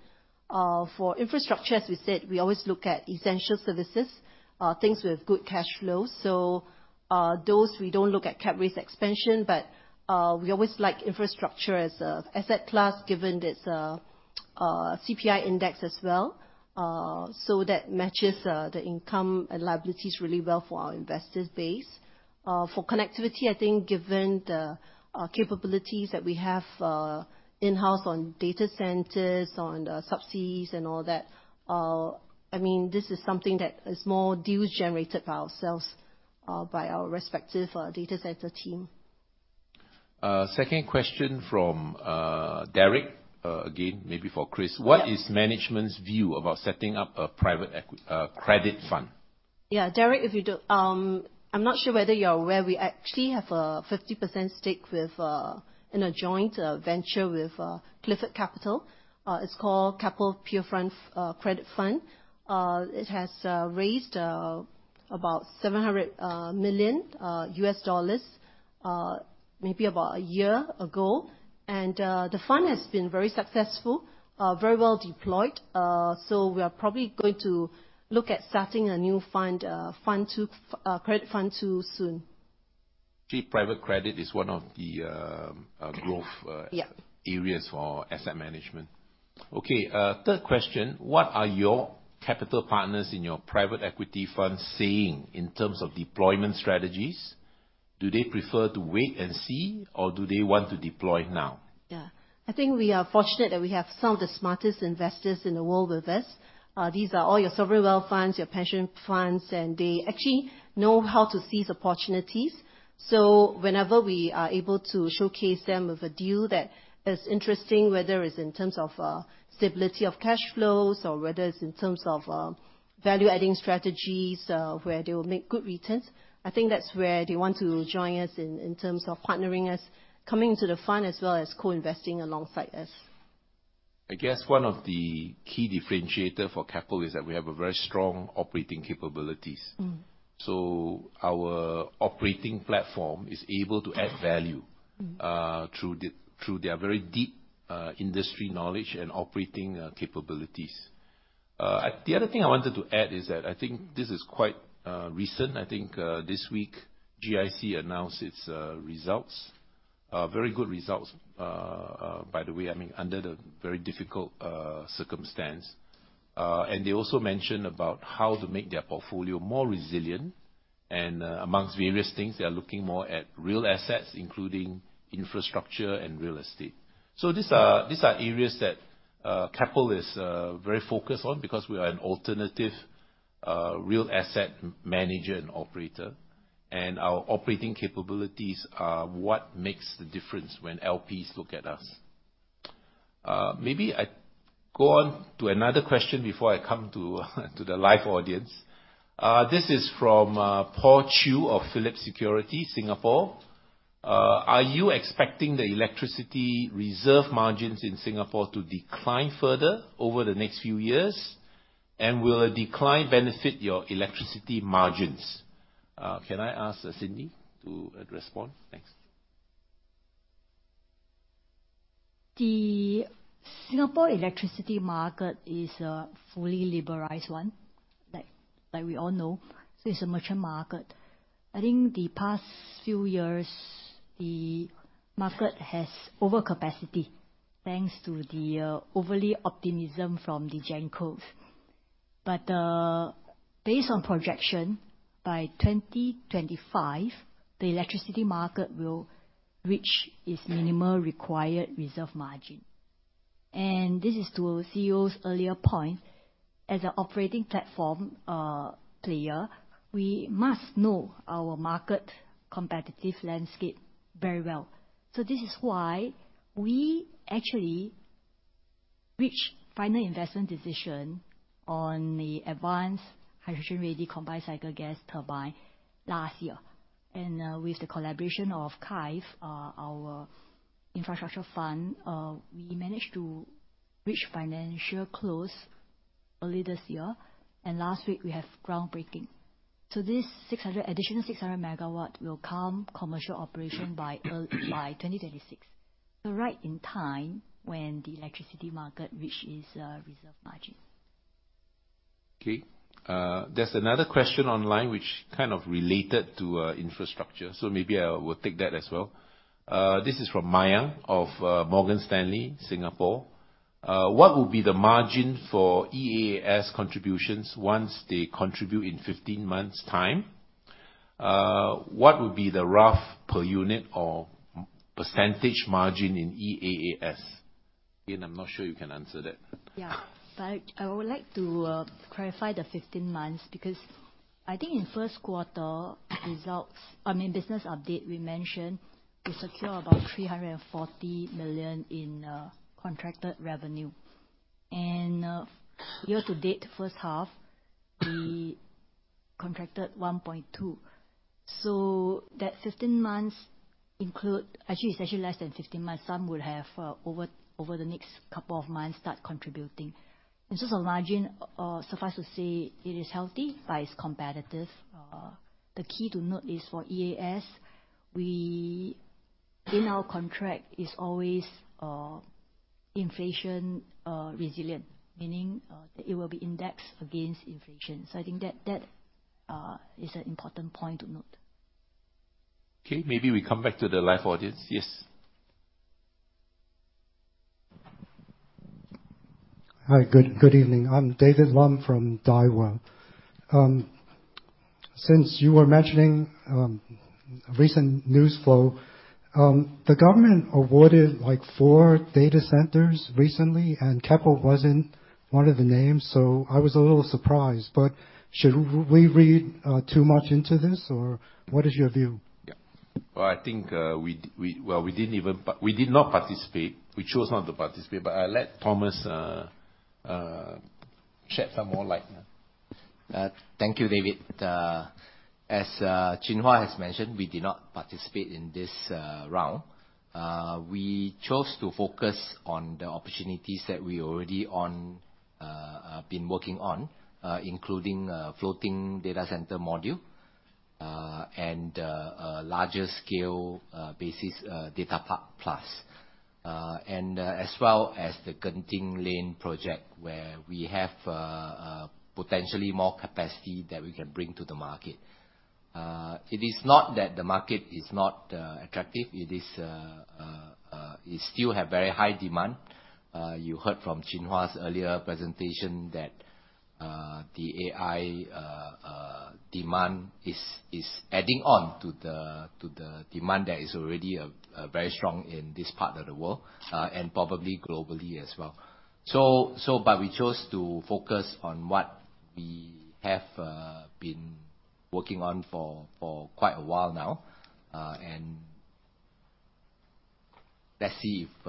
S7: For infrastructure, as we said, we always look at essential services, things with good cash flow. Those we don't look at cap rates expansion, but we always like infrastructure as a asset class, given its CPI index as well. That matches the income and liabilities really well for our investors base. For connectivity, I think given the capabilities that we have, in-house on data centers, on the subsea and all that, I mean, this is something that is more deals generated by ourselves, by our respective, data center team.
S2: Second question from, Derek, again, maybe for Chris.
S7: Yeah.
S2: What is management's view about setting up a private equity credit fund?
S7: Yeah, Derek, I'm not sure whether you're aware, we actually have a 50% stake in a joint venture with Clifford Capital. It's called Keppel-Pierfront Private Credit Fund. It has raised about $700 million maybe about a year ago. The fund has been very successful, very well deployed. We are probably going to look at starting a new fund 2, credit fund 2 soon.
S2: Private credit is one of the.
S7: Correct.
S2: growth.
S7: Yeah
S2: areas for asset management. Okay, third question: What are your capital partners in your private equity fund saying in terms of deployment strategies? Do they prefer to wait and see, or do they want to deploy now?
S7: I think we are fortunate that we have some of the smartest investors in the world with us. These are all your sovereign wealth funds, your pension funds, and they actually know how to seize opportunities. Whenever we are able to showcase them with a deal that is interesting, whether it's in terms of stability of cash flows or whether it's in terms of value-adding strategies, where they will make good returns, I think that's where they want to join us in terms of partnering us, coming into the fund, as well as co-investing alongside us.
S2: I guess one of the key differentiator for Keppel is that we have a very strong operating capabilities.
S7: Mm.
S2: Our operating platform is able to add value...
S7: Mm...
S2: through their very deep industry knowledge and operating capabilities. The other thing I wanted to add is that I think this is quite recent. I think this week, GIC announced its results. Very good results, by the way, I mean, under the very difficult circumstance. They also mentioned about how to make their portfolio more resilient, and amongst various things, they are looking more at real assets, including infrastructure and real estate. These are areas that Keppel is very focused on, because we are an alternative real asset manager and operator, and our operating capabilities are what makes the difference when LPs look at us. Maybe I go on to another question before I come to the live audience. This is from Paul Chew of Phillip Securities, Singapore. Are you expecting the electricity reserve margins in Singapore to decline further over the next few years? Will a decline benefit your electricity margins? Can I ask Cindy to respond? Thanks.
S5: The Singapore electricity market is a fully liberalized one, like we all know, so it's a merchant market. I think the past few years, the market has overcapacity, thanks to the overly optimism from the GenCos. Based on projection, by 2025, the electricity market will reach its minimal required reserve margin. This is to CEO's earlier point, as an operating platform player, we must know our market competitive landscape very well. This is why we actually reached final investment decision on the advanced hydrogen-ready combined cycle gas turbine last year. With the collaboration of KAIF II, our infrastructure fund, we managed to reach financial close early this year, and last week we have groundbreaking. This 600, additional 600 MW will come commercial operation by 2026. Right in time when the electricity market, which is, reserve margin.
S2: There's another question online which kind of related to infrastructure, maybe I will take that as well. This is from Mayank of Morgan Stanley, Singapore. What would be the margin for EAAS contributions once they contribute in 15 months' time? What would be the rough per unit or percentage margin in EAAS? Again, I'm not sure you can answer that.
S5: Yeah. I would like to clarify the 15 months, because I think in 1st quarter I mean, business update, we mentioned we secure about 340 million in contracted revenue. Year-to-date, 1st half, we contracted 1.2 million. That 15 months actually, it's actually less than 15 months. Some would have over the next couple of months, start contributing. In terms of margin, suffice to say, it is healthy, but it's competitive. The key to note is for EAS, we, in our contract, is always inflation resilient, meaning that it will be indexed against inflation. I think that is an important point to note.
S2: Okay, maybe we come back to the live audience. Yes.
S11: Hi, good evening. I'm David Lum from Daiwa. Since you were mentioning recent news flow, the government awarded, like, 4 data centers recently, and Keppel wasn't one of the names. I was a little surprised, but should we read too much into this, or what is your view?
S2: Yeah. Well, I think, we did not participate. We chose not to participate. I'll let Thomas shed some more light.
S12: Thank you, David. As Chin Hua has mentioned, we did not participate in this round. We chose to focus on the opportunities that we already on, been working on, including floating data center module, and a larger scale basis Data Centre+. As well as the Genting Lane project, where we have potentially more capacity that we can bring to the market. It is not that the market is not attractive. It is, it still have very high demand. You heard from Chin Hua's earlier presentation that the AI demand is adding on to the demand that is already very strong in this part of the world, and probably globally as well. We chose to focus on what we have been working on for quite a while now. Let's see if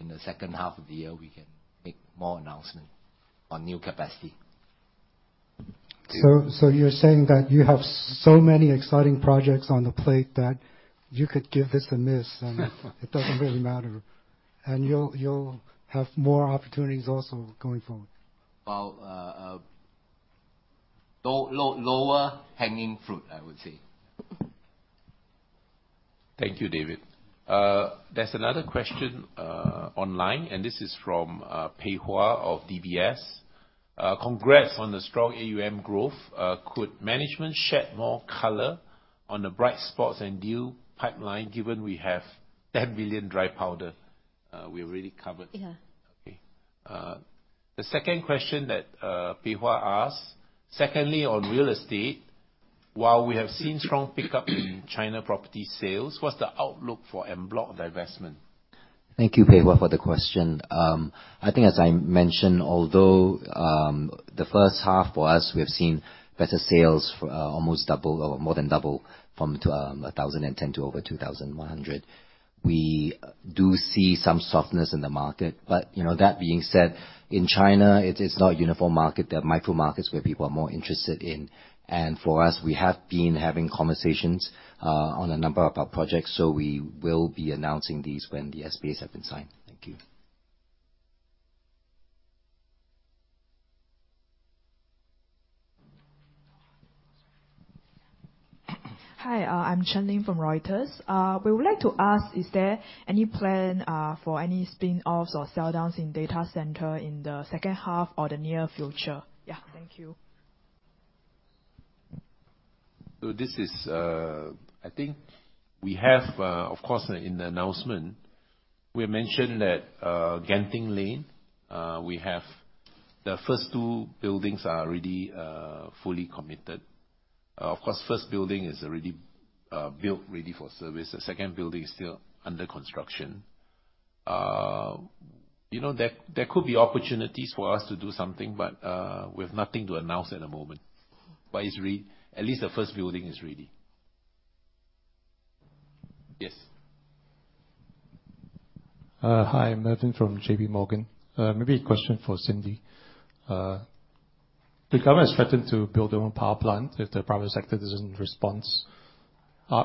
S12: in the second half of the year, we can make more announcement on new capacity.
S11: You're saying that you have so many exciting projects on the plate that you could give this a miss and it doesn't really matter, and you'll have more opportunities also going forward?
S12: Well, lower hanging fruit, I would say.
S2: Thank you, David. There's another question online, this is from Pei Hwa of DBS. Congrats on the strong AUM growth. Could management shed more color on the bright spots and deal pipeline, given we have 10 billion dry powder? We already covered.
S5: Yeah.
S2: Okay. The second question that Pei Hwa asked: secondly, on real estate, while we have seen strong pickup in China property sales, what's the outlook for en bloc divestment?
S12: Thank you, Pei Hwa, for the question. I think as I mentioned, although the first half for us, we have seen better sales, almost double or more than double from 1,010 to over 2,100. We do see some softness in the market, but you know, that being said, in China, it is not a uniform market. There are micro markets where people are more interested in, and for us, we have been having conversations on a number of our projects, so we will be announcing these when the SPAs have been signed. Thank you.
S13: Hi, I'm Chen Lin from Reuters. We would like to ask, is there any plan for any spin-offs or sell downs in data center in the second half or the near future? Yeah, thank you.
S2: This is, I think we have, of course, in the announcement, we mentioned that Genting Lane. We have the first two buildings are already fully committed. Of course, first building is already built, ready for service. The second building is still under construction. You know, there could be opportunities for us to do something, but we have nothing to announce at the moment. At least the first building is ready. Yes.
S14: Hi, I'm Martin from JPMorgan. Maybe a question for Cindy. The government has threatened to build their own power plant if the private sector doesn't respond.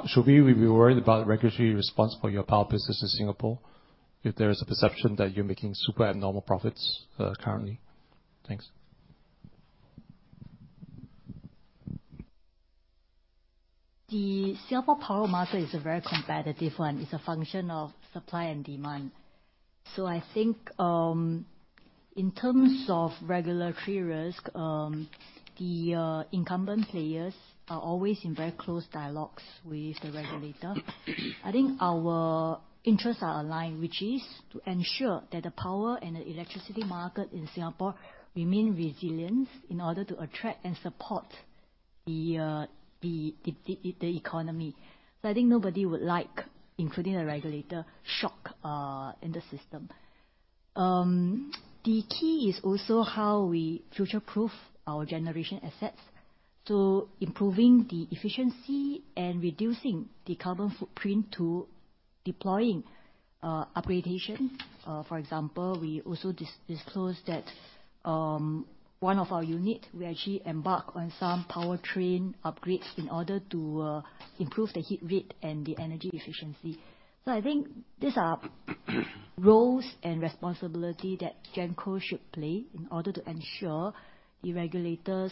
S14: Should we be worried about regulatory response for your power business in Singapore if there is a perception that you're making super abnormal profits currently? Thanks.
S5: The Singapore power market is a very competitive one. It's a function of supply and demand. I think, in terms of regulatory risk, the incumbent players are always in very close dialogues with the regulator. I think our interests are aligned, which is to ensure that the power and the electricity market in Singapore remain resilient in order to attract and support the economy. I think nobody would like, including the regulator, shock in the system. The key is also how we future-proof our generation assets, so improving the efficiency and reducing the carbon footprint to deploying upgradation. For example, we also disclose that, one of our unit, we actually embark on some powertrain upgrades in order to improve the heat rate and the energy efficiency. I think these are roles and responsibility that Genco should play in order to ensure the regulators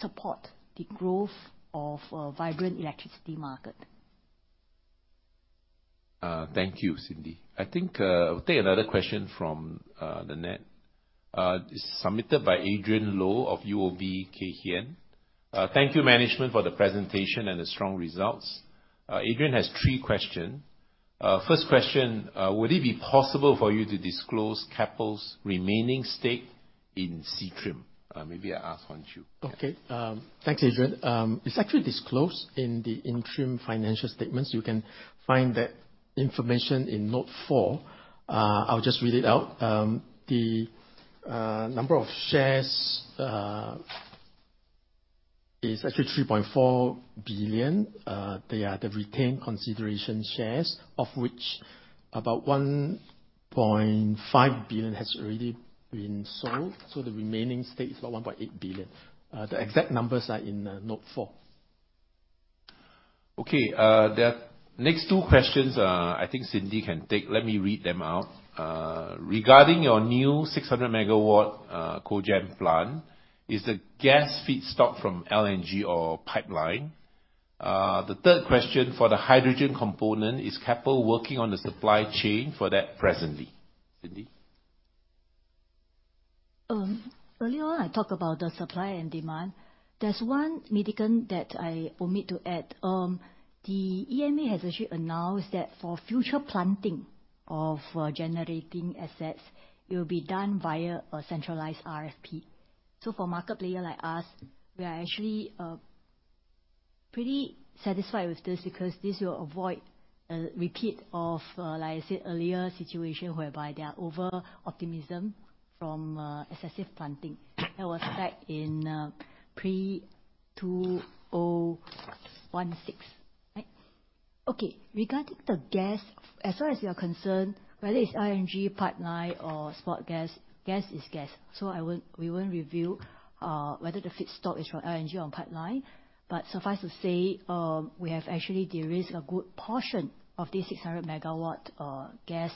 S5: support the growth of a vibrant electricity market.
S2: Thank you, Cindy. I think, we'll take another question from the net. It's submitted by Adrian Loh of UOB Kay Hian. Thank you, management, for the presentation and the strong results. Adrian has three question. First question, would it be possible for you to disclose Keppel's remaining stake in Seadrill? Maybe I ask Hon Chew.
S3: Thanks, Adrian. It's actually disclosed in the interim financial statements. You can find that information in note 4. I'll just read it out. The number of shares is actually 3.4 billion. They are the retained consideration shares, of which about 1.5 billion has already been sold, so the remaining stake is about 1.8 billion. The exact numbers are in note 4.
S2: The next two questions, I think Cindy can take. Let me read them out. Regarding your new 600 megawatt, cogen plant, is the gas feedstock from LNG or pipeline? The third question, for the hydrogen component, is Keppel working on the supply chain for that presently? Cindy?
S5: Earlier on, I talked about the supply and demand. There's one detail that I omit to add. The EMA has actually announced that for future planting of generating assets, it will be done via a centralized RFP. For market player like us, we are actually pretty satisfied with this because this will avoid a repeat of, like I said earlier, situation whereby there are over-optimism from excessive planting. That was back in pre-2016, right? Okay. Regarding the gas, as far as we are concerned, whether it's LNG, pipeline or spot gas is gas, so we won't reveal whether the feedstock is from LNG or pipeline. Suffice to say, we have actually de-risked a good portion of these 600 MW gas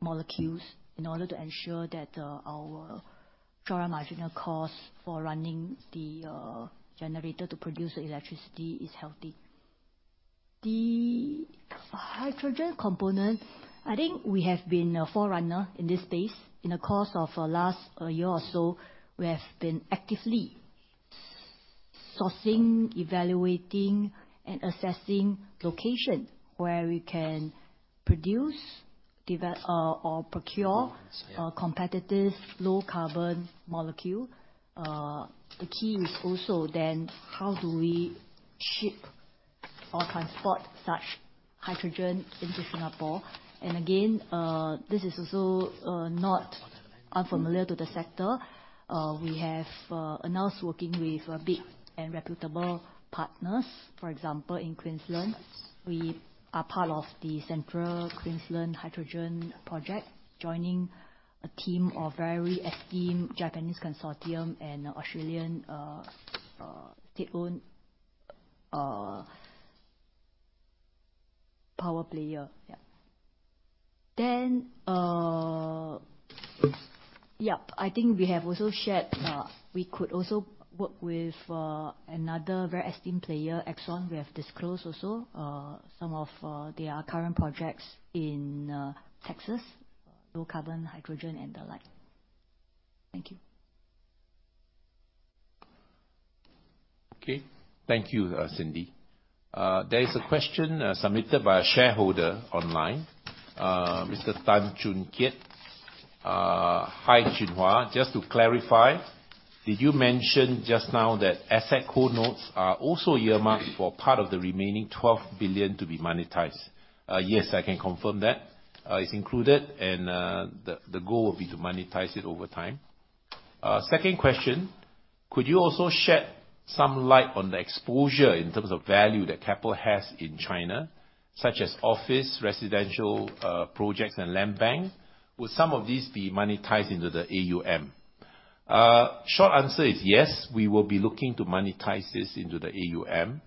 S5: molecules in order to ensure that our marginal costs for running the generator to produce the electricity is healthy. The hydrogen component, I think we have been a forerunner in this space. In the course of last year or so, we have been actively sourcing, evaluating, and assessing location where we can produce or procure competitive low-carbon molecule. The key is also then how do we ship or transport such hydrogen into Singapore? Again, this is also not unfamiliar to the sector. We have announced working with big and reputable partners. For example, in Queensland, we are part of the Central Queensland hydrogen project, joining a team of very esteemed Japanese consortium and Australian state-owned power player. Yeah. Yep, I think we have also shared, we could also work with another very esteemed player, Exxon. We have disclosed also some of their current projects in Texas, low-carbon hydrogen and the like. Thank you.
S2: Okay. Thank you, Cindy. There is a question submitted by a shareholder online, Mr. Tan Choon Kiat. "Hi, Chin Hua. Just to clarify, did you mention just now that Asset Co notes are also earmarked for part of the remaining 12 billion to be monetized?" Yes, I can confirm that. It's included, and the goal will be to monetize it over time. Second question: "Could you also shed some light on the exposure in terms of value that Keppel has in China, such as office, residential, projects and land banks? Will some of these be monetized into the AUM?" Short answer is yes, we will be looking to monetize this into the AUM....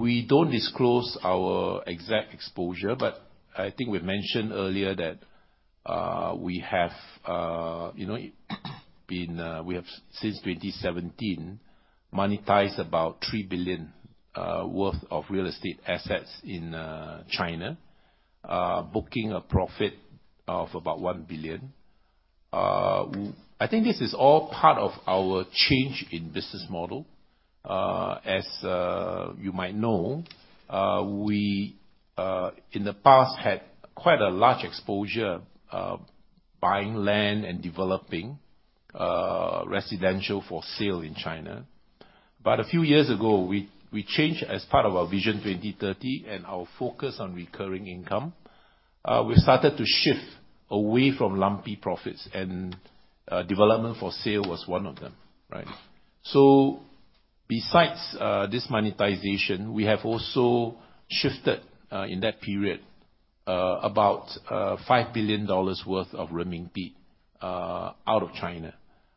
S2: We don't disclose our exact exposure, but I think we've mentioned earlier that, you know, been, we have since 2017, monetized about 3 billion worth of real estate assets in China. Booking a profit of about 1 billion. I think this is all part of our change in business model. As you might know, we in the past had quite a large exposure of buying land and developing residential for sale in China. A few years ago, we changed as part of our Vision 2030 and our focus on recurring income. We started to shift away from lumpy profits, and development for sale was one of them, right? Besides this monetization, we have also shifted in that period about $5 billion worth of renminbi out of China.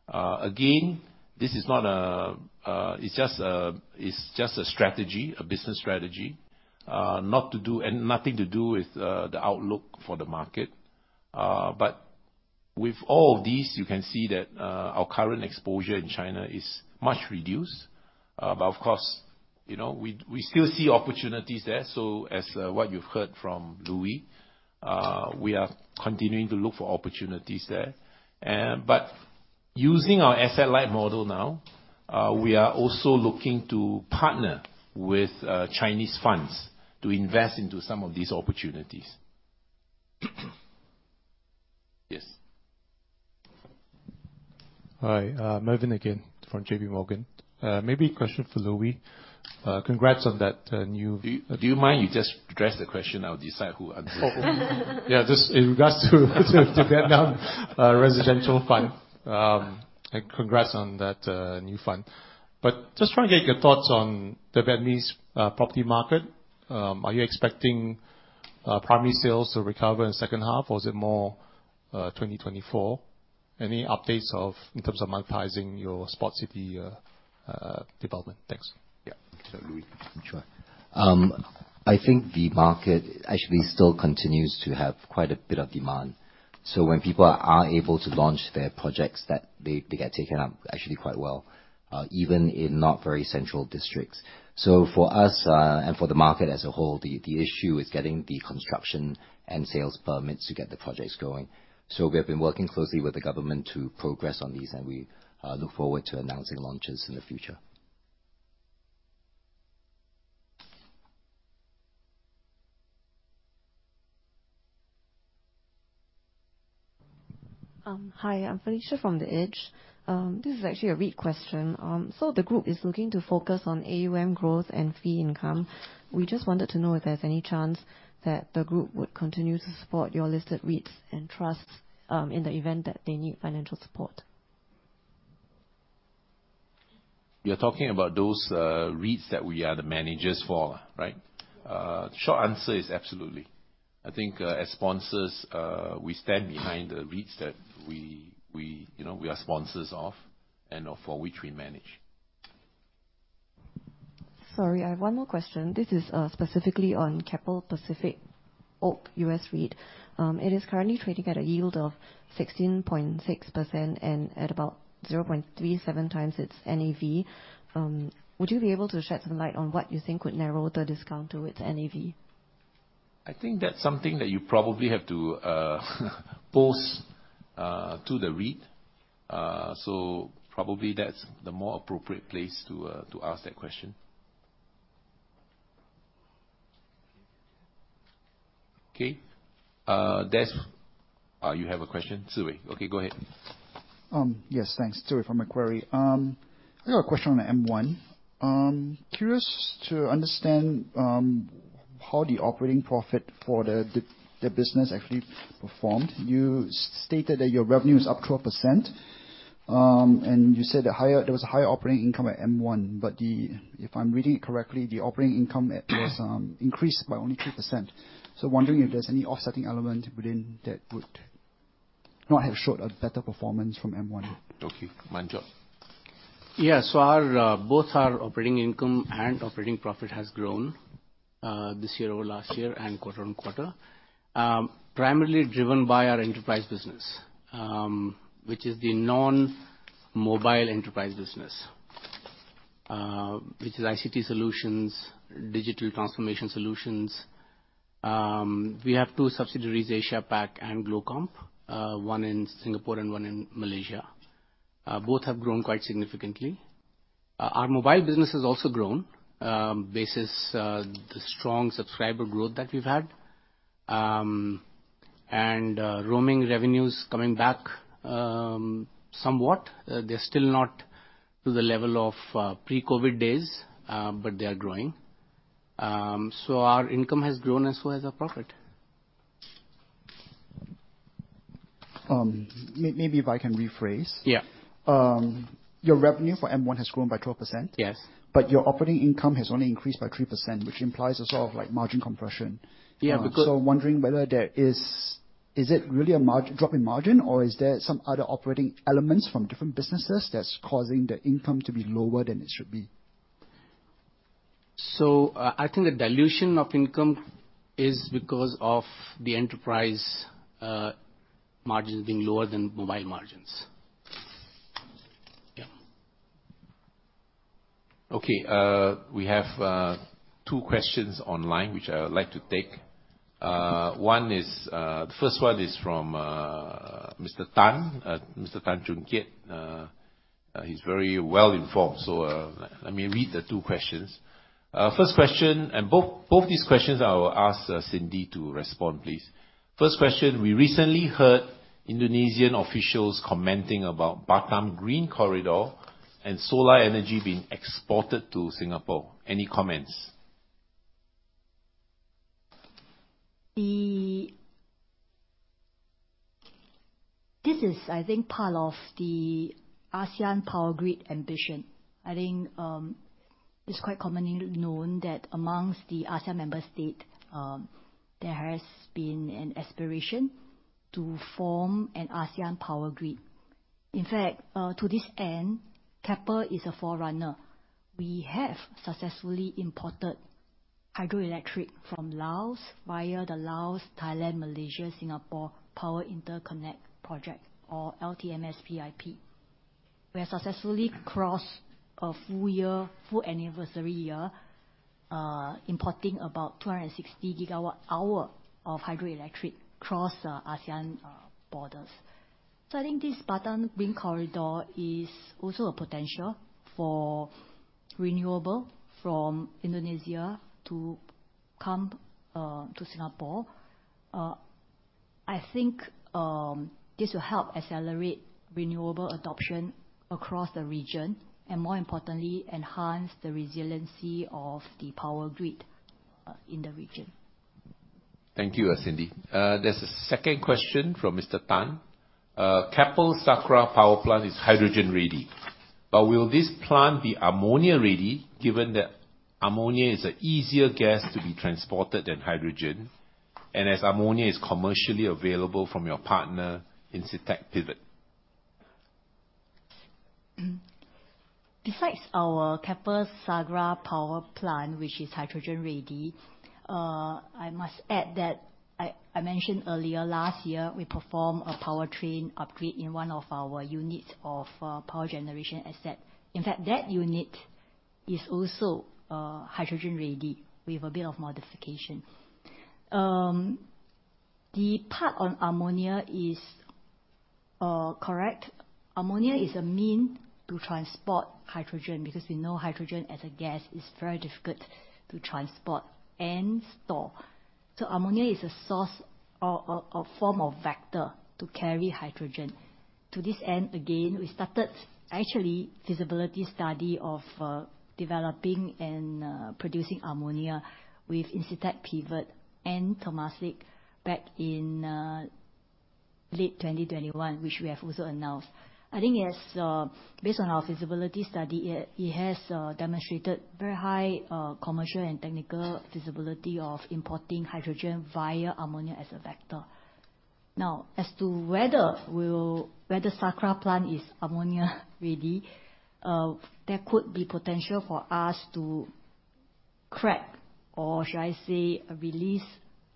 S2: Again, this is not a. It's just a strategy, a business strategy. Nothing to do with the outlook for the market. With all of these, you can see that our current exposure in China is much reduced. Of course, you know, we still see opportunities there. As what you've heard from Louis, we are continuing to look for opportunities there. Using our asset-light model now, we are also looking to partner with Chinese funds to invest into some of these opportunities. Yes.
S14: Hi, Marvin again from JP Morgan. Maybe a question for Louis. Congrats on that.
S2: Do you mind you just address the question, I'll decide who answers it?
S14: Oh, yeah, just in regards to Vietnam, residential fund. Congrats on that, new fund. Just trying to get your thoughts on the Vietnamese property market. Are you expecting primary sales to recover in the second half, or is it more 2024? Any updates of, in terms of monetizing your Sports city development? Thanks.
S2: Yeah, Louis.
S9: Sure. I think the market actually still continues to have quite a bit of demand. When people are able to launch their projects, they get taken up actually quite well, even in not very central districts. For us, and for the market as a whole, the issue is getting the construction and sales permits to get the projects going. We have been working closely with the government to progress on these, and we look forward to announcing launches in the future.
S15: Hi, I'm Felicia from The Edge. This is actually a re question. The group is looking to focus on AUM growth and fee income. We just wanted to know if there's any chance that the group would continue to support your listed REITs and trusts, in the event that they need financial support.
S2: You're talking about those, REITs that we are the managers for, right? Short answer is absolutely. I think, as sponsors, we stand behind the REITs that we, you know, we are sponsors of and/or for which we manage.
S15: Sorry, I have one more question. This is specifically on Keppel Pacific Oak U.S. REIT. It is currently trading at a yield of 16.6% and at about 0.37 times its NAV. Would you be able to shed some light on what you think would narrow the discount to its NAV?
S2: I think that's something that you probably have to pose to the REIT. Probably that's the more appropriate place to ask that question. Okay, Des, you have a question? Ziwei. Go ahead.
S4: Yes, thanks. Ziwei from Macquarie. I got a question on M1. Curious to understand how the operating profit for the business actually performed. You stated that your revenue is up 12%. You said there was a higher operating income at M1, but if I'm reading it correctly, the operating income was increased by only 2%. Wondering if there's any offsetting element within that would not have showed a better performance from M1?
S2: Okay, Manjot.
S16: Yeah. Both our operating income and operating profit has grown this year-over-last-year and quarter-over-quarter. Primarily driven by our enterprise business, which is the non-mobile enterprise business, which is ICT solutions, digital transformation solutions. We have 2 subsidiaries, AsiaPac and Glocomp, 1 in Singapore and 1 in Malaysia. Both have grown quite significantly. Our mobile business has also grown basis the strong subscriber growth that we've had. Roaming revenues coming back somewhat. They're still not to the level of pre-COVID days, they are growing. Our income has grown as well as our profit.
S4: Maybe if I can rephrase.
S16: Yeah.
S4: Your revenue for M1 has grown by 12%?
S16: Yes.
S4: Your operating income has only increased by 3%, which implies a sort of like margin compression.
S16: Yeah, but good-
S4: Is it really a drop in margin, or is there some other operating elements from different businesses that's causing the income to be lower than it should be?
S16: I think the dilution of income is because of the enterprise margins being lower than mobile margins. Yeah.
S2: Okay, we have two questions online, which I would like to take. One is, the first one is from Mr. Tan, Mr. Tan Choon Kiat. He's very well informed, so, let me read the two questions. First question, and both these questions I will ask Cindy to respond, please. First question: We recently heard Indonesian officials commenting about Batam Green Corridor and solar energy being exported to Singapore. Any comments?
S5: This is, I think, part of the ASEAN Power Grid ambition. I think, it's quite commonly known that amongst the ASEAN member state, there has been an aspiration to form an ASEAN power grid. In fact, to this end, Keppel is a forerunner. We have successfully imported hydroelectric from Laos via the Laos, Thailand, Malaysia, Singapore Power Interconnect Project or LTMS-PIP. We have successfully crossed a full year, full anniversary year, importing about 260 GWh of hydroelectric across ASEAN borders. I think this Batam Green Corridor is also a potential for renewable from Indonesia to come to Singapore. I think, this will help accelerate renewable adoption across the region and, more importantly, enhance the resiliency of the power grid in the region.
S2: Thank you, Cindy. There's a second question from Mr. Tan. Keppel Sakra Power Plant is hydrogen-ready, but will this plant be ammonia-ready, given that ammonia is an easier gas to be transported than hydrogen, and as ammonia is commercially available from your partner in Incitec Pivot?
S5: Besides our Keppel Sakra Cogen Plant, which is hydrogen-ready, I must add that I mentioned earlier, last year we performed a powertrain upgrade in one of our units of power generation asset. In fact, that unit is also hydrogen-ready with a bit of modification. The part on ammonia is correct. Ammonia is a mean to transport hydrogen, because we know hydrogen as a gas is very difficult to transport and store. Ammonia is a source or form of vector to carry hydrogen. To this end, again, we started actually feasibility study of developing and producing ammonia with Incitec Pivot and Temasek back in late 2021, which we have also announced. I think as based on our feasibility study, it has demonstrated very high commercial and technical feasibility of importing hydrogen via ammonia as a vector. Now, as to whether Sakra plant is ammonia-ready, there could be potential for us to crack, or should I say, release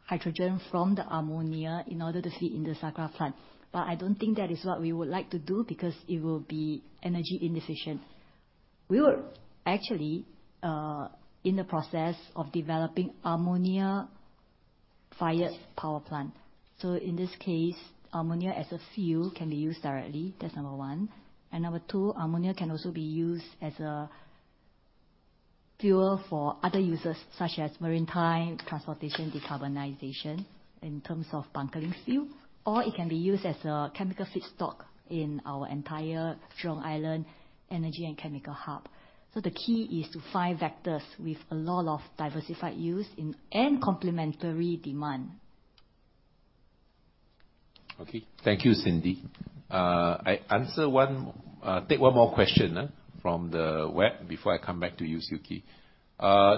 S5: hydrogen from the ammonia in order to fit in the Sakra plant. I don't think that is what we would like to do, because it will be energy inefficient. We were actually in the process of developing ammonia-fired power plant. In this case, ammonia as a fuel can be used directly. That's number one. Number two, ammonia can also be used as a fuel for other users, such as maritime transportation, decarbonization, in terms of bunkering fuel, or it can be used as a chemical feedstock in our entire Jurong Island energy and chemical hub. So the key is to find vectors with a lot of diversified use and complementary demand.
S2: Okay. Thank you, Cindy. I answer one, take one more question from the web before I come back to you, Yuki.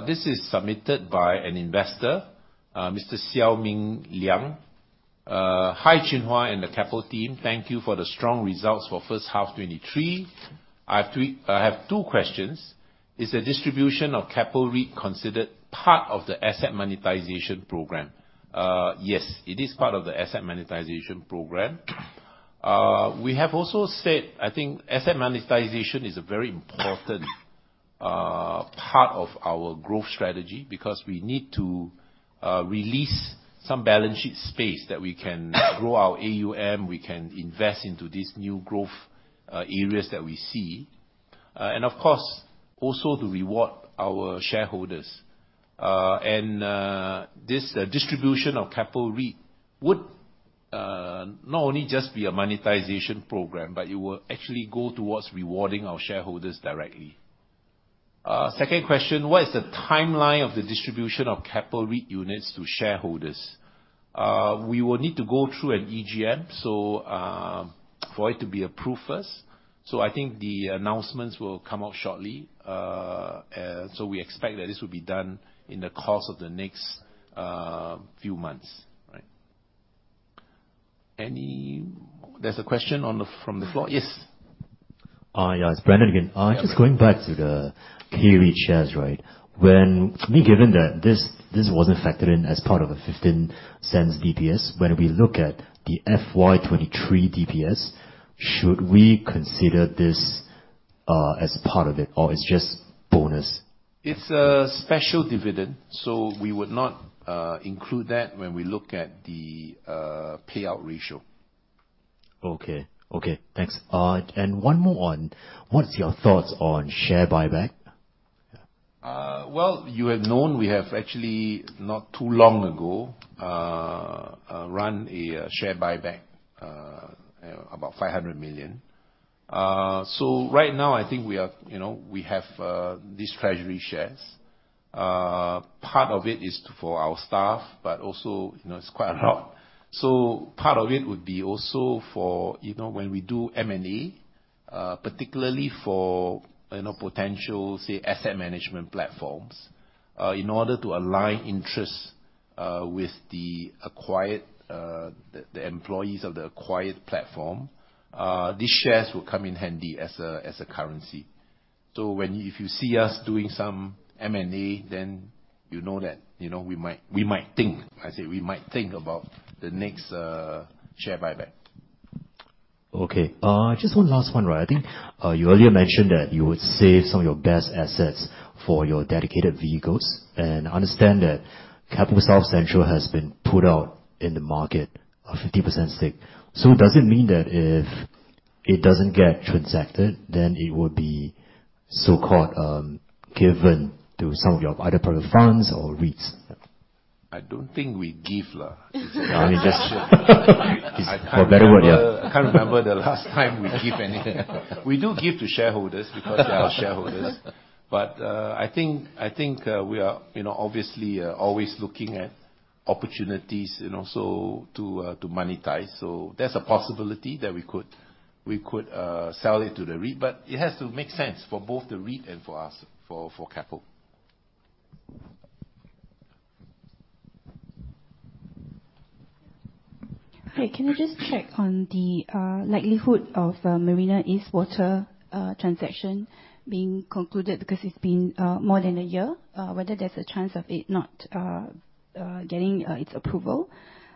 S2: This is submitted by an investor, Mr. Xiao Ming Liang. "Hi, Chin Hua and the Keppel team. Thank you for the strong results for first half 2023. I have two questions. Is the distribution of Keppel REIT considered part of the asset monetization program?" Yes, it is part of the asset monetization program. We have also said, I think asset monetization is a very important part of our growth strategy, because we need to release some balance sheet space that we can grow our AUM, we can invest into these new growth areas that we see. Of course, also to reward our shareholders. This distribution of Keppel REIT would not only just be a monetization program, but it will actually go towards rewarding our shareholders directly. Second question: "What is the timeline of the distribution of Keppel REIT units to shareholders?" We will need to go through an EGM, so for it to be approved first. I think the announcements will come out shortly. We expect that this will be done in the course of the next few months, right? There's a question from the floor? Yes.
S6: Yeah, it's Brandon again.
S2: Yes.
S6: Just going back to the Keppel shares, right? To me, given that this wasn't factored in as part of the 0.15 DPS, when we look at the FY 2023 DPS, should we consider this as a part of it, or it's just bonus?
S2: It's a special dividend, so we would not include that when we look at the payout ratio.
S6: Okay. Okay, thanks. One more on, what's your thoughts on share buyback? Yeah.
S2: Well, you have known, we have actually, not too long ago, run a share buyback, about 500 million. Right now, I think we are, you know, we have these treasury shares. Part of it is for our staff, but also, you know, it's quite a lot. Part of it would be also for, you know, when we do M&A, particularly for, you know, potential, say, asset management platforms. In order to align interests, with the acquired, the employees of the acquired platform, these shares will come in handy as a currency. If you see us doing some M&A, then you know that, you know, we might think, I say, we might think about the next share buyback.
S6: Just one last one, right? I think you earlier mentioned that you would save some of your best assets for your dedicated vehicles, and I understand that Keppel South Central has been put out in the market, a 50% stake. Does it mean that if it doesn't get transacted, then it will be so-called given to some of your other product funds or REITs?
S2: I don't think we give la.
S6: Let me for a better word, yeah.
S2: I can't remember the last time we give anything. We do give to shareholders, because they are shareholders. I think, we are, you know, obviously, always looking at opportunities, you know, so to monetize. There's a possibility that we could sell it to the REIT, but it has to make sense for both the REIT and for us, for Keppel.
S8: Hi, can I just check on the likelihood of Marina East water transaction being concluded? It's been more than a year, whether there's a chance of it not getting its approval.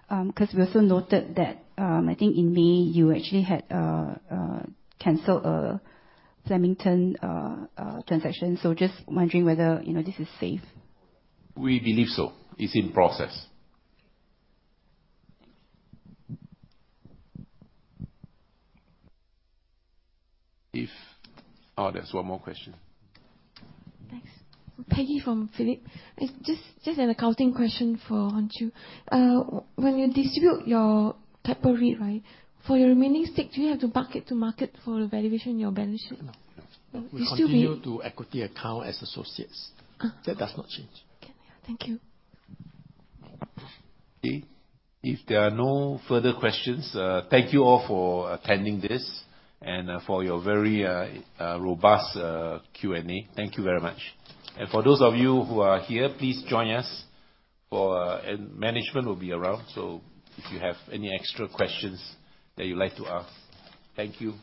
S8: We also noted that, I think in May, you actually had cancel a Flemmington transaction. Just wondering whether, you know, this is safe?
S2: We believe so. It's in process.
S8: Thank you.
S2: Oh, there's one more question.
S17: Thanks. Peggy from Phillip. It's just an accounting question for Hon Chew. When you distribute your type of REIT, right? For your remaining stake, do you have to market to market for the valuation, your balances?
S3: No, no.
S17: You still do-
S3: We continue to equity account as associates.
S17: Uh.
S3: That does not change.
S17: Okay, thank you.
S2: If there are no further questions, thank you all for attending this, and for your very, robust, Q&A. Thank you very much. For those of you who are here, please join us for. Management will be around, so if you have any extra questions that you'd like to ask. Thank you.